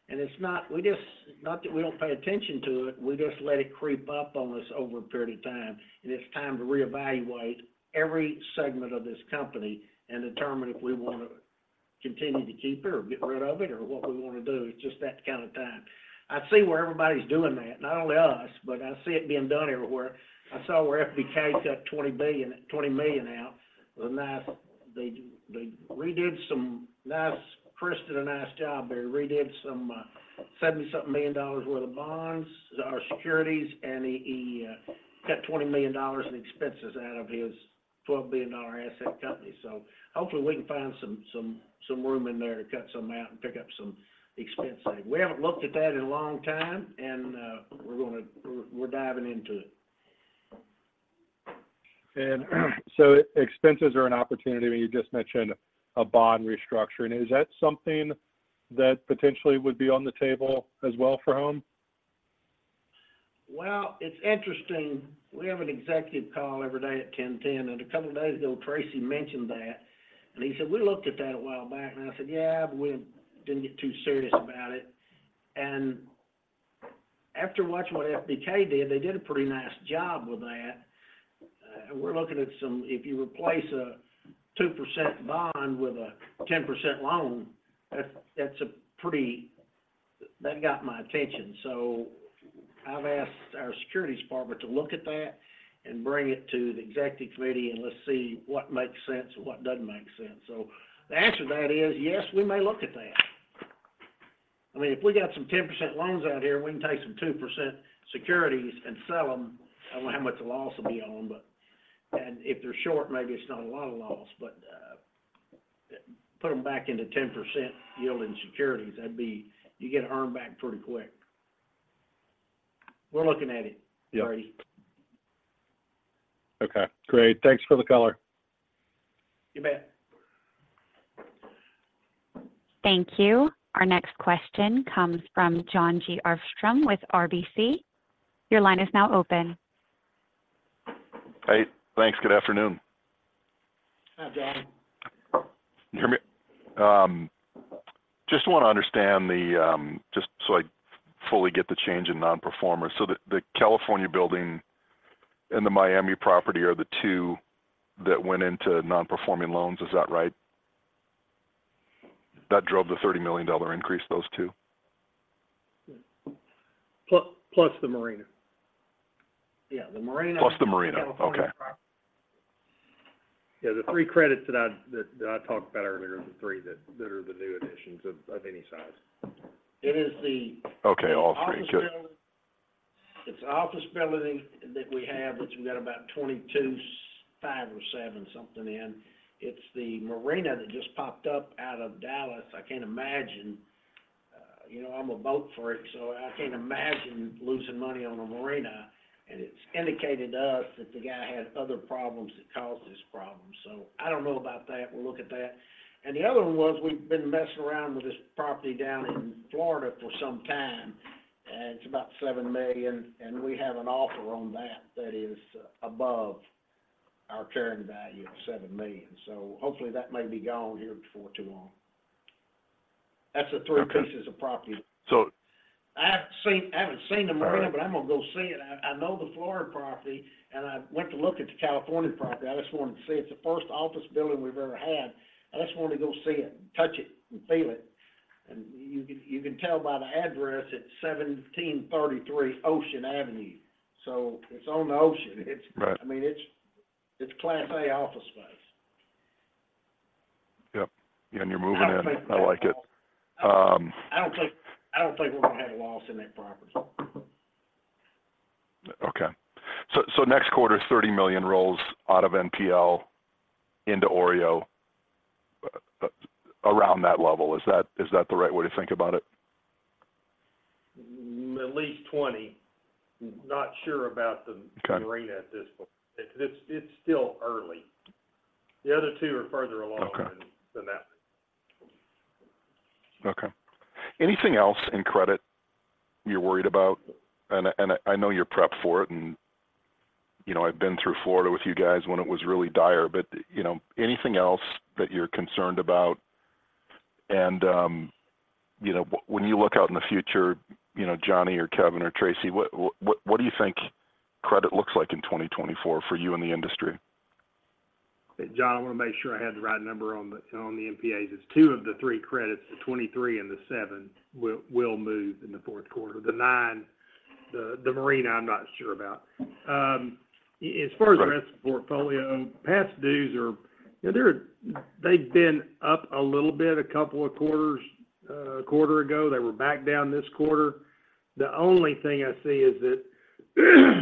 and not that we don't pay attention to it, we just let it creep up on us over a period of time, and it's time to reevaluate every segment of this company and determine if we want to continue to keep it or get rid of it or what we want to do. It's just that kind of time. I see where everybody's doing that. Not only us, but I see it being done everywhere. I saw where FBK out $20 billion, $20 million out. Chris did a nice job there. Redid some $70-something million worth of bonds, or securities, and he cut $20 million in expenses out of his 12 billion-dollar asset company. Hopefully we can find some room in there to cut some out and pick up some expense saving. We haven't looked at that in a long time, and we're diving into it. Expenses are an opportunity, and you just mentioned a bond restructuring. Is that something that potentially would be on the table as well for Home? Well, it's interesting. We have an executive call every day at 10:10 A.M., and a couple of days ago, Tracy mentioned that, and he said, "We looked at that a while back." I said, "Yeah, but we didn't get too serious about it." After watching what FBK did, they did a pretty nice job with that. We're looking at some... If you replace a 2% bond with a 10% loan, that's a pretty-- that got my attention. I've asked our Securities Department to look at that and bring it to the Executive Committee, and let's see what makes sense and what doesn't make sense. The answer to that is, yes, we may look at that. I mean, if we got some 10% loans out here, we can take some 2% securities and sell them. I don't know how much the loss will be on. If they're short, maybe it's not a lot of loss, but put them back into 10% yield in securities, that'd be... You get earned back pretty quick. We're looking at it, Marty. Okay, great. Thanks for the color. You bet. Thank you. Our next question comes from Jon G. Arfstrom with RBC. Your line is now open. Hey, thanks. Good afternoon. Hi, Jon. Can you hear me? Just so I fully get the change in non-performers, the California building and the Miami property are the two that went into non-performing loans. Is that right? That drove the $30 million increase, those two? Plus the marina. Yeah, the marina. Plus the marina. Okay. Yeah, the three credits that I talked about earlier are the three that are the new additions of any size. It is the- Okay, all three. Good. It's an office building that we have, that we've got about $22.5 or $22.7 something in. It's the marina that just popped up out of Dallas. I can't imagine, you know, I'm a boat freak, so I can't imagine losing money on a marina, and it's indicated to us that the guy had other problems that caused this problem. I don't know about that. We'll look at that. The other one was, we've been messing around with this property down in Florida for some time, and it's about $7 million, and we have an offer on that that is above our carrying value of $7 million. Hopefully, that may be gone here before too long. That's the three pieces of property. It's an office building that we have, that we've got about $22.5 or $22.7 something in. It's the marina that just popped So- I haven't seen the marina, but I'm gonna go see it. I know the Florida property, and I went to look at the California property. I just wanted to see it. It's the first office building we've ever had. I just wanted to go see it, touch it, and feel it. You can tell by the address, it's 1733 Ocean Avenue, so it's on the ocean. Right. It's, I mean, it's Class A office space. Yep, and you're moving in. just noticed the prompt says I like it. I don't think we're gonna have a loss in that property. Okay. Next quarter, $30 million rolls out of NPL into OREO, around that level. Is that the right way to think about it? At least 20. Not sure about the. Got it Marina at this point. It's still early. The other two are further along. Okay Than that. Okay. Anything else in credit you're worried about? I know you're prepped for it, and, you know, I've been through Florida with you guys when it was really dire, but, you know, anything else that you're concerned about? You know, when you look out in the future, you know, Johnny or Kevin or Tracy, what do you think credit looks like in 2024 for you in the industry? Jon, I want to make sure I have the right number on the NPAs. It's two of the three credits, the 23 and the 7, will move in the fourth quarter. The 9, the marina, I'm not sure about. As far as- Right The rest of the portfolio, past dues are, you know, they've been up a little bit, a couple of quarters. A quarter ago, they were back down this quarter. The only thing I see is that,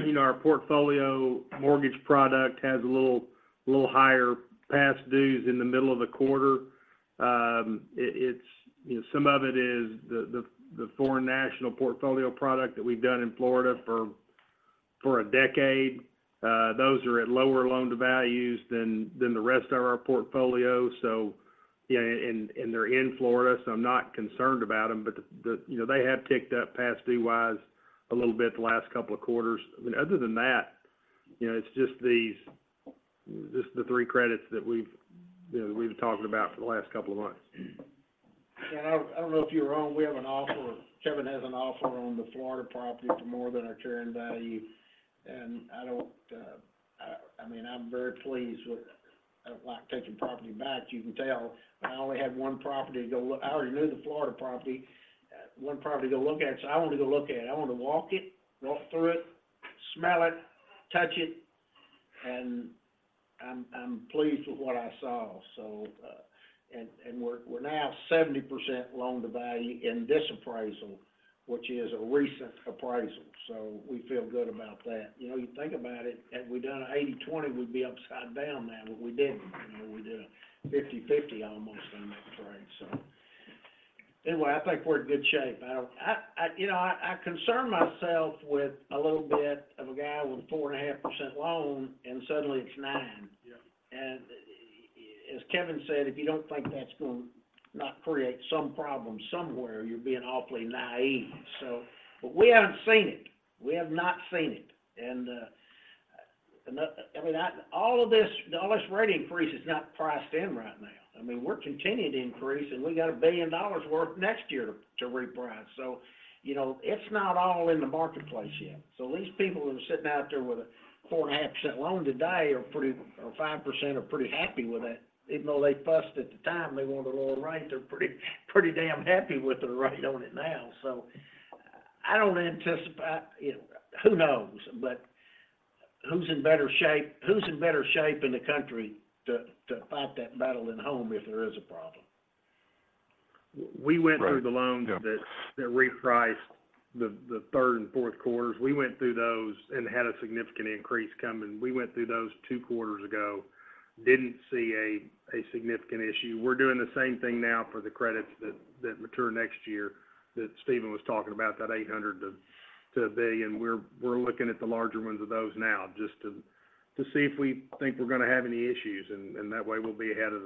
you know, our portfolio mortgage product has a little, little higher past dues in the middle of the quarter. It's, you know, some of it is the foreign national portfolio product that we've done in Florida for a decade. Those are at lower loan-to-values than the rest of our portfolio. Yeah, and they're in Florida, so I'm not concerned about them. The, you know, they have ticked up past-due-wise, a little bit the last couple of quarters. I mean, other than that, you know, it's just these, just the 3 credits that we've, you know, we've been talking about for the last couple of months. John, I don't know if you're wrong. We have an offer, Kevin has an offer on the Florida property for more than our carrying value, and I mean, I'm very pleased with, I don't like taking property back. You can tell I only have 1 property to go look. I already knew the Florida property, 1 property to go look at, so I wanted to go look at it. I wanted to walk it, go through it, smell it, touch it, and I'm pleased with what I saw. And we're now 70% loan-to-value in this appraisal, which is a recent appraisal, so we feel good about that. You know, you think about it, had we done an 80/20, we'd be upside down now, but we didn't. You know, we did a 50/50 almost on that trade. Anyway, I think we're in good shape. You know, I concern myself with a little bit of a guy with a 4.5% loan, and suddenly it's 9. Yeah. As Kevin said, if you don't think that's gonna not create some problem somewhere, you're being awfully naive. But we haven't seen it. We have not seen it. I mean, all of this, all this rate increase is not priced in right now. I mean, we're continuing to increase, and we've got $1 billion worth next year to reprice. You know, it's not all in the marketplace yet. These people who are sitting out there with a 4.5% loan today are pretty, or 5%, are pretty happy with that, even though they fussed at the time, they wanted a lower rate, they're pretty, pretty damn happy with the rate on it now. I don't anticipate, you know, who knows? Who's in better shape in the country to fight that battle at home if there is a problem? We went through the loans. Right. Yeah that repriced the third and fourth quarters. We went through those and had a significant increase coming. We went through those two quarters ago, didn't see a significant issue. We're doing the same thing now for the credits that mature next year, that Steven was talking about, that $800 million-$1 billion. We're looking at the larger ones of those now just to see if we think we're gonna have any issues, and that way we'll be ahead of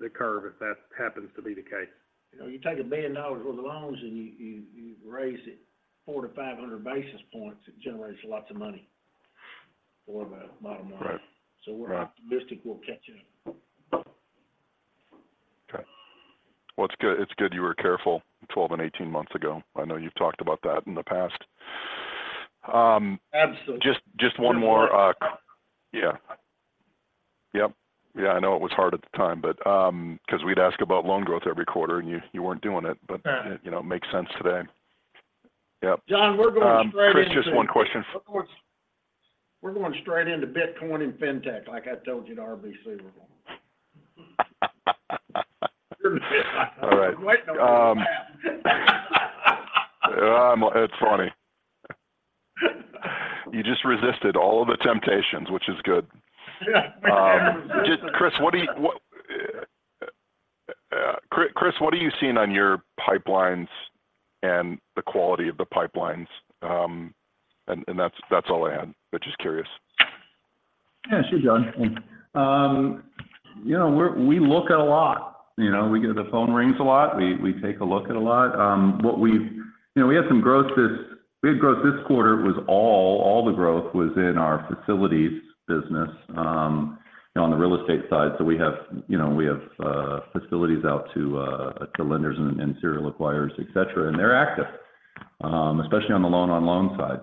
the curve, if that happens to be the case. You know, you take $1 billion worth of loans and you raise it 400 basis points-500 basis points, it generates lots of money or a lot of money. Right. We're optimistic we'll catch it up. Okay. Well, it's good, it's good you were careful 12 months and 18 months ago. I know you've talked about that in the past. Absolutely.. Just one more. Yeah. Yep. Yeah, I know it was hard at the time, but 'cause we'd ask about loan growth every quarter, and you weren't doing it. Yeah. But, you know, it makes sense today. Yep. Jon, we're going straight into. Chris, just one question. We're going, we're going straight into Bitcoin and fintech, like I told you at RBC we were going. All right. I'm waiting on you to ask. It's funny. You just resisted all of the temptations, which is good. Yeah. We can't resist them. Just Chris, what are you seeing on your pipelines and the quality of the pipelines? That's all I had. Just curious. Yeah, sure, John. You know, we look at a lot. You know, the phone rings a lot. We take a look at a lot. You know, we had growth this quarter was all the growth was in our facilities business, you know, on the real estate side. We have, you know, facilities out to lenders and serial acquirers, et cetera. They're active, especially on the loan-on-loan side.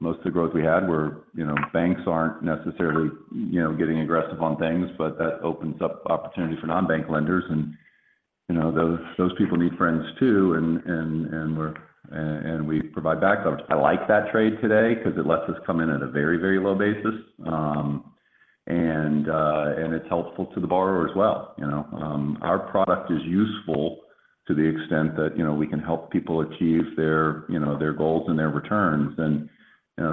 Most of the growth we had were, you know, banks aren't necessarily, you know, getting aggressive on things, but that opens up opportunities for non-bank lenders. You know, those people need friends, too, and we provide backups. I like that trade today because it lets us come in at a very, very low basis. It's helpful to the borrower as well, you know? Our product is useful to the extent that, you know, we can help people achieve their, you know, their goals and their returns.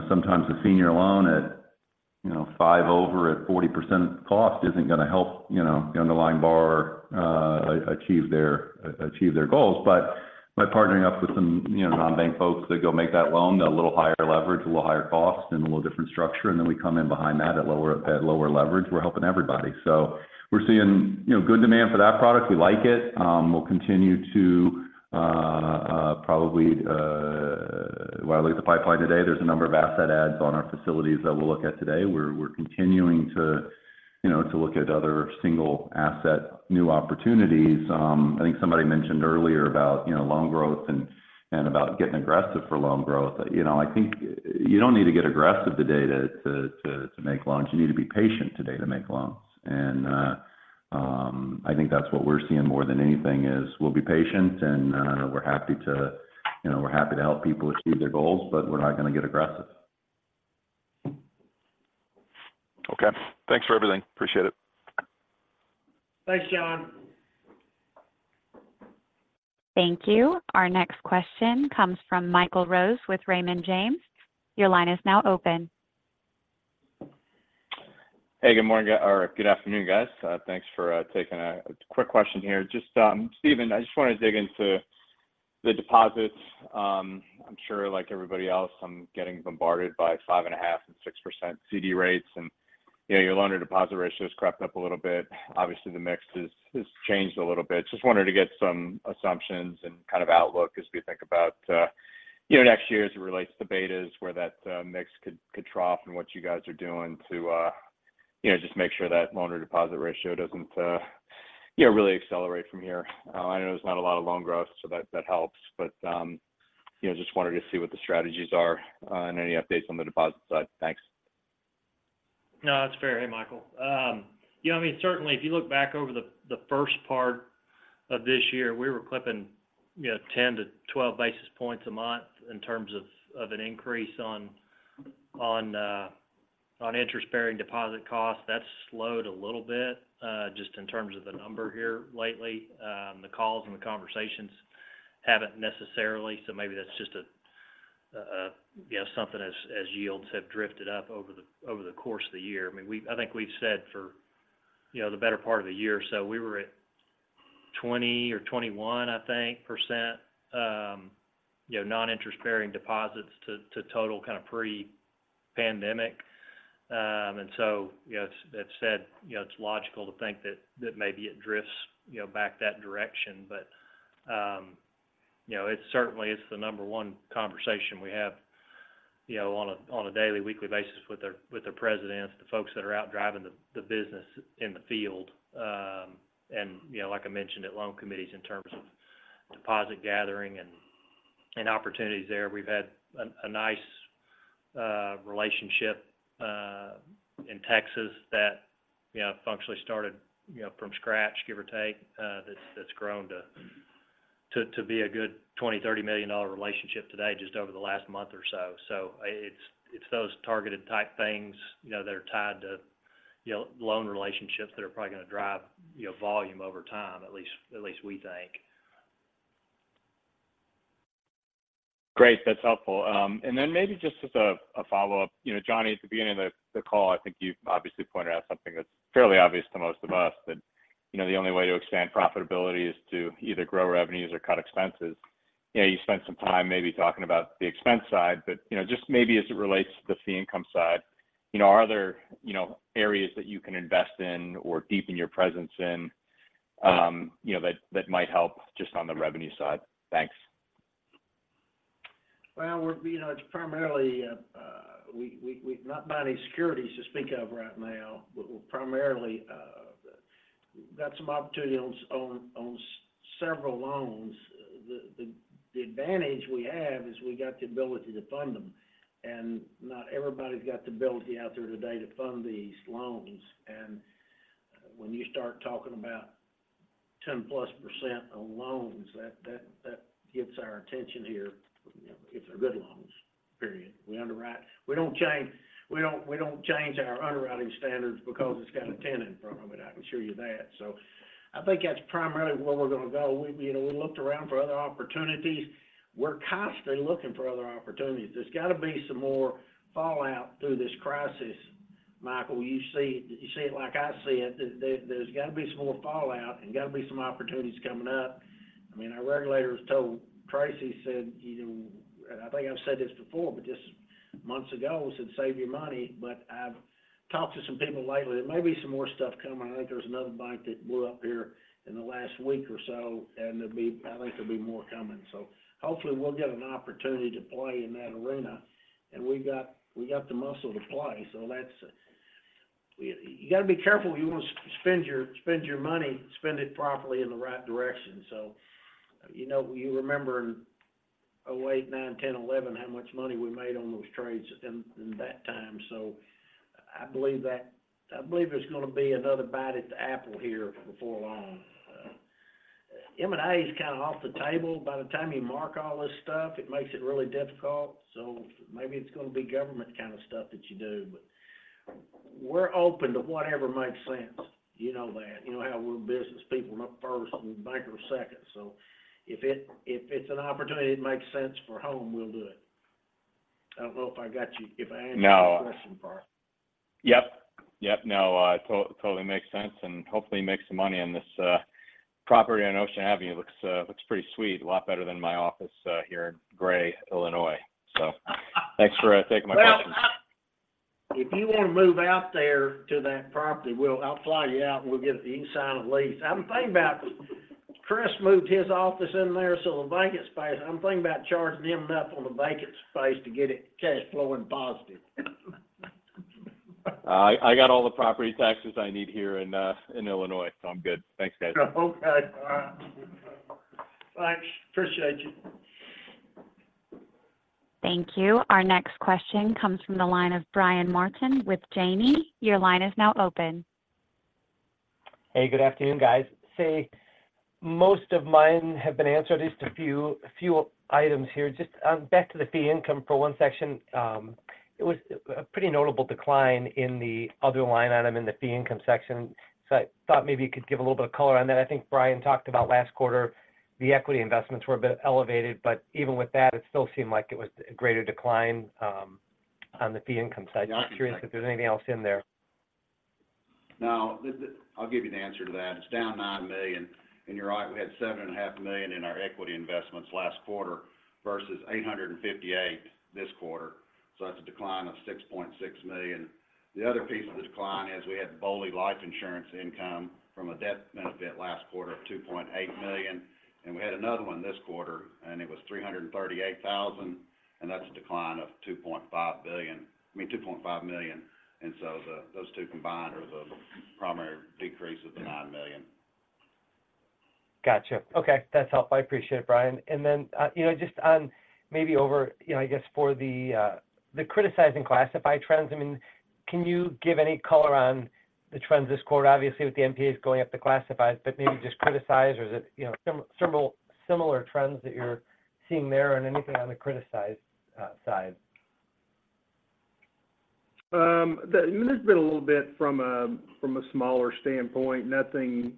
Sometimes a senior loan at, you know, five over at 40% cost isn't gonna help, you know, the underlying borrower achieve their goals. By partnering up with some, you know, non-bank folks to go make that loan a little higher leverage, a little higher cost, and a little different structure, and then we come in behind that at lower leverage, we're helping everybody. We're seeing, you know, good demand for that product. We like it. We'll continue to probably... When I look at the pipeline today, there's a number of asset adds on our facilities that we'll look at today. We're continuing to, you know, look at other single-asset, new opportunities. I think somebody mentioned earlier about, you know, loan growth and about getting aggressive for loan growth. You know, I think you don't need to get aggressive today to make loans. You need to be patient today to make loans. I think that's what we're seeing more than anything, is we'll be patient, and we're happy to, you know, help people achieve their goals, but we're not gonna get aggressive. Okay. Thanks for everything. Appreciate it. Thanks, Jon. Thank you. Our next question comes from Michael Rose with Raymond James. Your line is now open. Good Afternoon Guys thanks for taking my quick question here Stephen, I just want to dig into the deposits. I'm sure, like everybody else, I'm getting bombarded by 5.5% and 6% CD rates, and, you know, your loan-to-deposit ratio has crept up a little bit I know there's not a lot of loan growth, so that helps, but you know, just wanted to see what the strategies are and any updates on the deposit side. Thanks. No, that's fair. Hey, Michael. You know, I mean, certainly, if you look back over the first part of this year, we were clipping, you know, 10 basis points-12 basis points a month in terms of an increase on interest-bearing deposit costs. That's slowed a little bit, just in terms of the number here lately. The calls and the conversations haven't necessarily, so maybe that's just a, you know, something as yields have drifted up over the course of the year. I mean, I think we've said for, you know, the better part of the year or so, we were at 20% or 21%, I think, you know, non-interest-bearing deposits to total kind of pre-pandemic. And so, you know, it's... That said, you know, it's logical to think that maybe it drifts, you know, back that direction. You know, it certainly is the number one conversation we have, you know, on a daily, weekly basis with our Presidents, the folks that are out driving the business in the field. You know, like I mentioned, at loan committees in terms of deposit gathering and opportunities there. We've had a nice relationship in Texas that, you know, functionally started, you know, from scratch, give or take, that's grown to be a good $20 million-$30 million relationship today, just over the last month or so. It's those targeted type things, you know, that are tied to, you know, loan relationships that are probably going to drive, you know, volume over time, at least we think. Great, that's helpful. Maybe just as a follow-up, you know, Johnny, at the beginning of the call, I think you obviously pointed out something that's fairly obvious to most of us, that, you know, the only way to expand profitability is to either grow revenues or cut expenses. You know, you spent some time maybe talking about the expense side, but, you know, just maybe as it relates to the fee income side, you know, are there, you know, areas that you can invest in or deepen your presence in, you know, that might help just on the revenue side? Thanks. Well, we're, you know, it's primarily not buying any securities to speak of right now, but we're primarily got some opportunity on several loans. The advantage we have is we got the ability to fund them, and not everybody's got the ability out there today to fund these loans. When you start talking about 10%+ on loans, that gets our attention here. You know, if they're good loans, period. We underwrite. We don't change our underwriting standards because it's got a 10 in front of it, I can assure you that. I think that's primarily where we're going to go. You know, we looked around for other opportunities. We're constantly looking for other opportunities. There's got to be some more fallout through this crisis, Michael. You see, you see it like I see it, that there, there's got to be some more fallout and got to be some opportunities coming up. I mean, our regulators told, Tracy said, you know, and I think I've said this before, but just months ago, said, "Save your money." But I've talked to some people lately, there may be some more stuff coming. I think there's another bank that blew up here in the last week or so, and there'll be, I think there'll be more coming. Hopefully, we'll get an opportunity to play in that arena, and we've got, we got the muscle to play, so that's... You got to be careful when you want to spend your, spend your money, spend it properly in the right direction. You know, you remember in 2008, 2009, 2010, 2011, how much money we made on those trades in that time. I believe there's going to be another bite at the apple here before long. M&A is kind of off the table. By the time you mark all this stuff, it makes it really difficult, so maybe it's going to be government kind of stuff that you do. We're open to whatever makes sense. You know that. You know how we're business people, not first, we banker second. If it's an opportunity, it makes sense for Home, we'll do it. I don't know if I answered your question, Mark. Yep. Yep, no, totally makes sense, and hopefully make some money on this property on Ocean Avenue. It looks pretty sweet. A lot better than my office here in gray Illinois. Thanks for taking my questions. Well, if you want to move out there to that property, I'll fly you out, and we'll get you signed a lease. I'm thinking about, Chris moved his office in there, so the vacant space, I'm thinking about charging him enough on the vacant space to get it cash flowing positive. I got all the property taxes I need here in Illinois, so I'm good. Thanks, guys. Okay. All right. Thanks, appreciate you. Thank you. Our next question comes from the line of Brian Martin with Janney. Your line is now open. Hey, good afternoon, guys. Say, most of mine have been answered, just a few items here. Just back to the fee income for one section, it was a pretty notable decline in the other line item in the fee income section, so I thought maybe you could give a little bit of color on that. I think Brian talked about last quarter. The equity investments were a bit elevated, but even with that, it still seemed like it was a greater decline on the fee income side. Yeah. I'm curious if there's anything else in there. Now, I'll give you the answer to that. It's down $9 million, and you're right, we had $7.5 million in our equity investments last quarter versus $858,000 this quarter, so that's a decline of $6.6 million. The other piece of the decline is we had BOLI life insurance income from a death benefit last quarter of $2.8 million, and we had another one this quarter, and it was $338,000, and that's a decline of $2.5 billion, I mean, $2.5 million. Those two combined are the primary decrease of the $9 million. Gotcha. Okay, that's helpful. I appreciate it, Brian. You know, just on maybe over, you know, I guess for the criticized classified trends, I mean, can you give any color on the trends this quarter? Obviously, with the NPAs going up to classified, but maybe just criticized or is it, you know, similar trends that you're seeing there and anything on the criticized side? There's been a little bit from a smaller standpoint. Nothing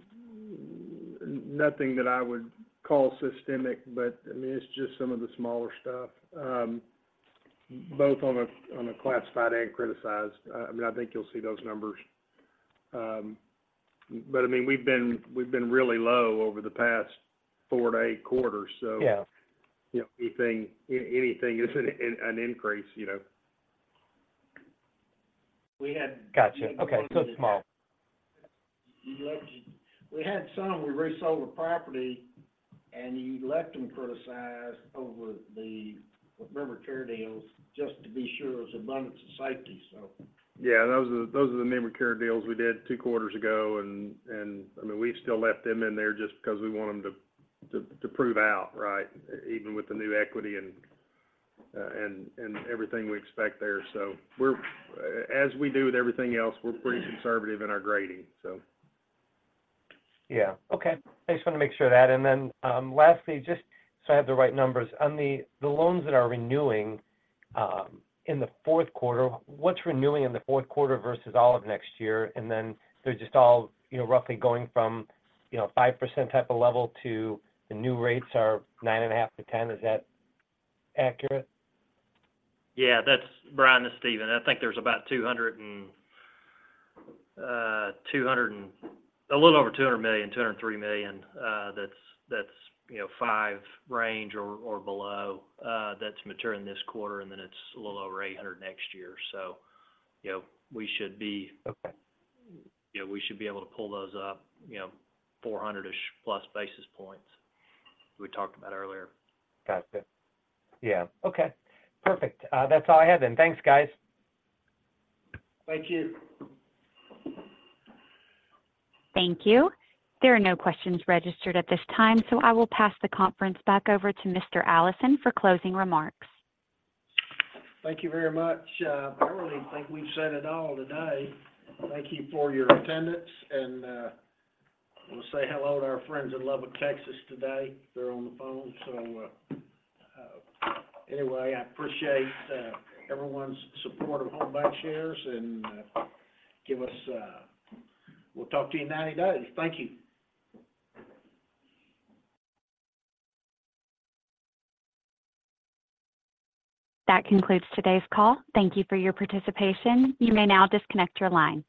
that I would call systemic, but I mean, it's just some of the smaller stuff, both on a classified and criticized. I mean, I think you'll see those numbers. I mean, we've been really low over the past 4 quarters-8 quarters. Yeah Anything is an increase, you know? We had- Got you. Okay, it's small. We resold a property, and he left them criticized over the member care deals, just to be sure it was abundance of safety. Yeah, those are the member care deals we did two quarters ago, and, I mean, we've still left them in there just because we want them to prove out, right? Even with the new equity and everything we expect there. We're, as we do with everything else, we're pretty conservative in our grading, so. Yeah. Okay. I just wanted to make sure of that. Lastly, just so I have the right numbers, on the loans that are renewing in the fourth quarter, what's renewing in the fourth quarter versus all of next year? They're just all, you know, roughly going from, you know, 5% type of level to the new rates are 9.5%-10%. Is that accurate? Yeah, that's Brian and Steven. I think there's about a little over $200 million, $203 million, that's, you know, 5 range or below, that's maturing this quarter, and then it's a little over $800 next year. Okay. You know, we should be able to pull those up, you know, 400 plus basis points we talked about earlier. Got it. Yeah. Okay, perfect. That's all I have then. Thanks, guys. Thank you. Thank you. There are no questions registered at this time, so I will pass the conference back over to Mr. Allison for closing remarks. Thank you very much. I really think we've said it all today. Thank you for your attendance, and we'll say hello to our friends in Lubbock, Texas, today. They're on the phone. Anyway, I appreciate everyone's support of Home BancShares, and give us. We'll talk to you in 90 days. Thank you. That concludes today's call. Thank you for your participation. You may now disconnect your line.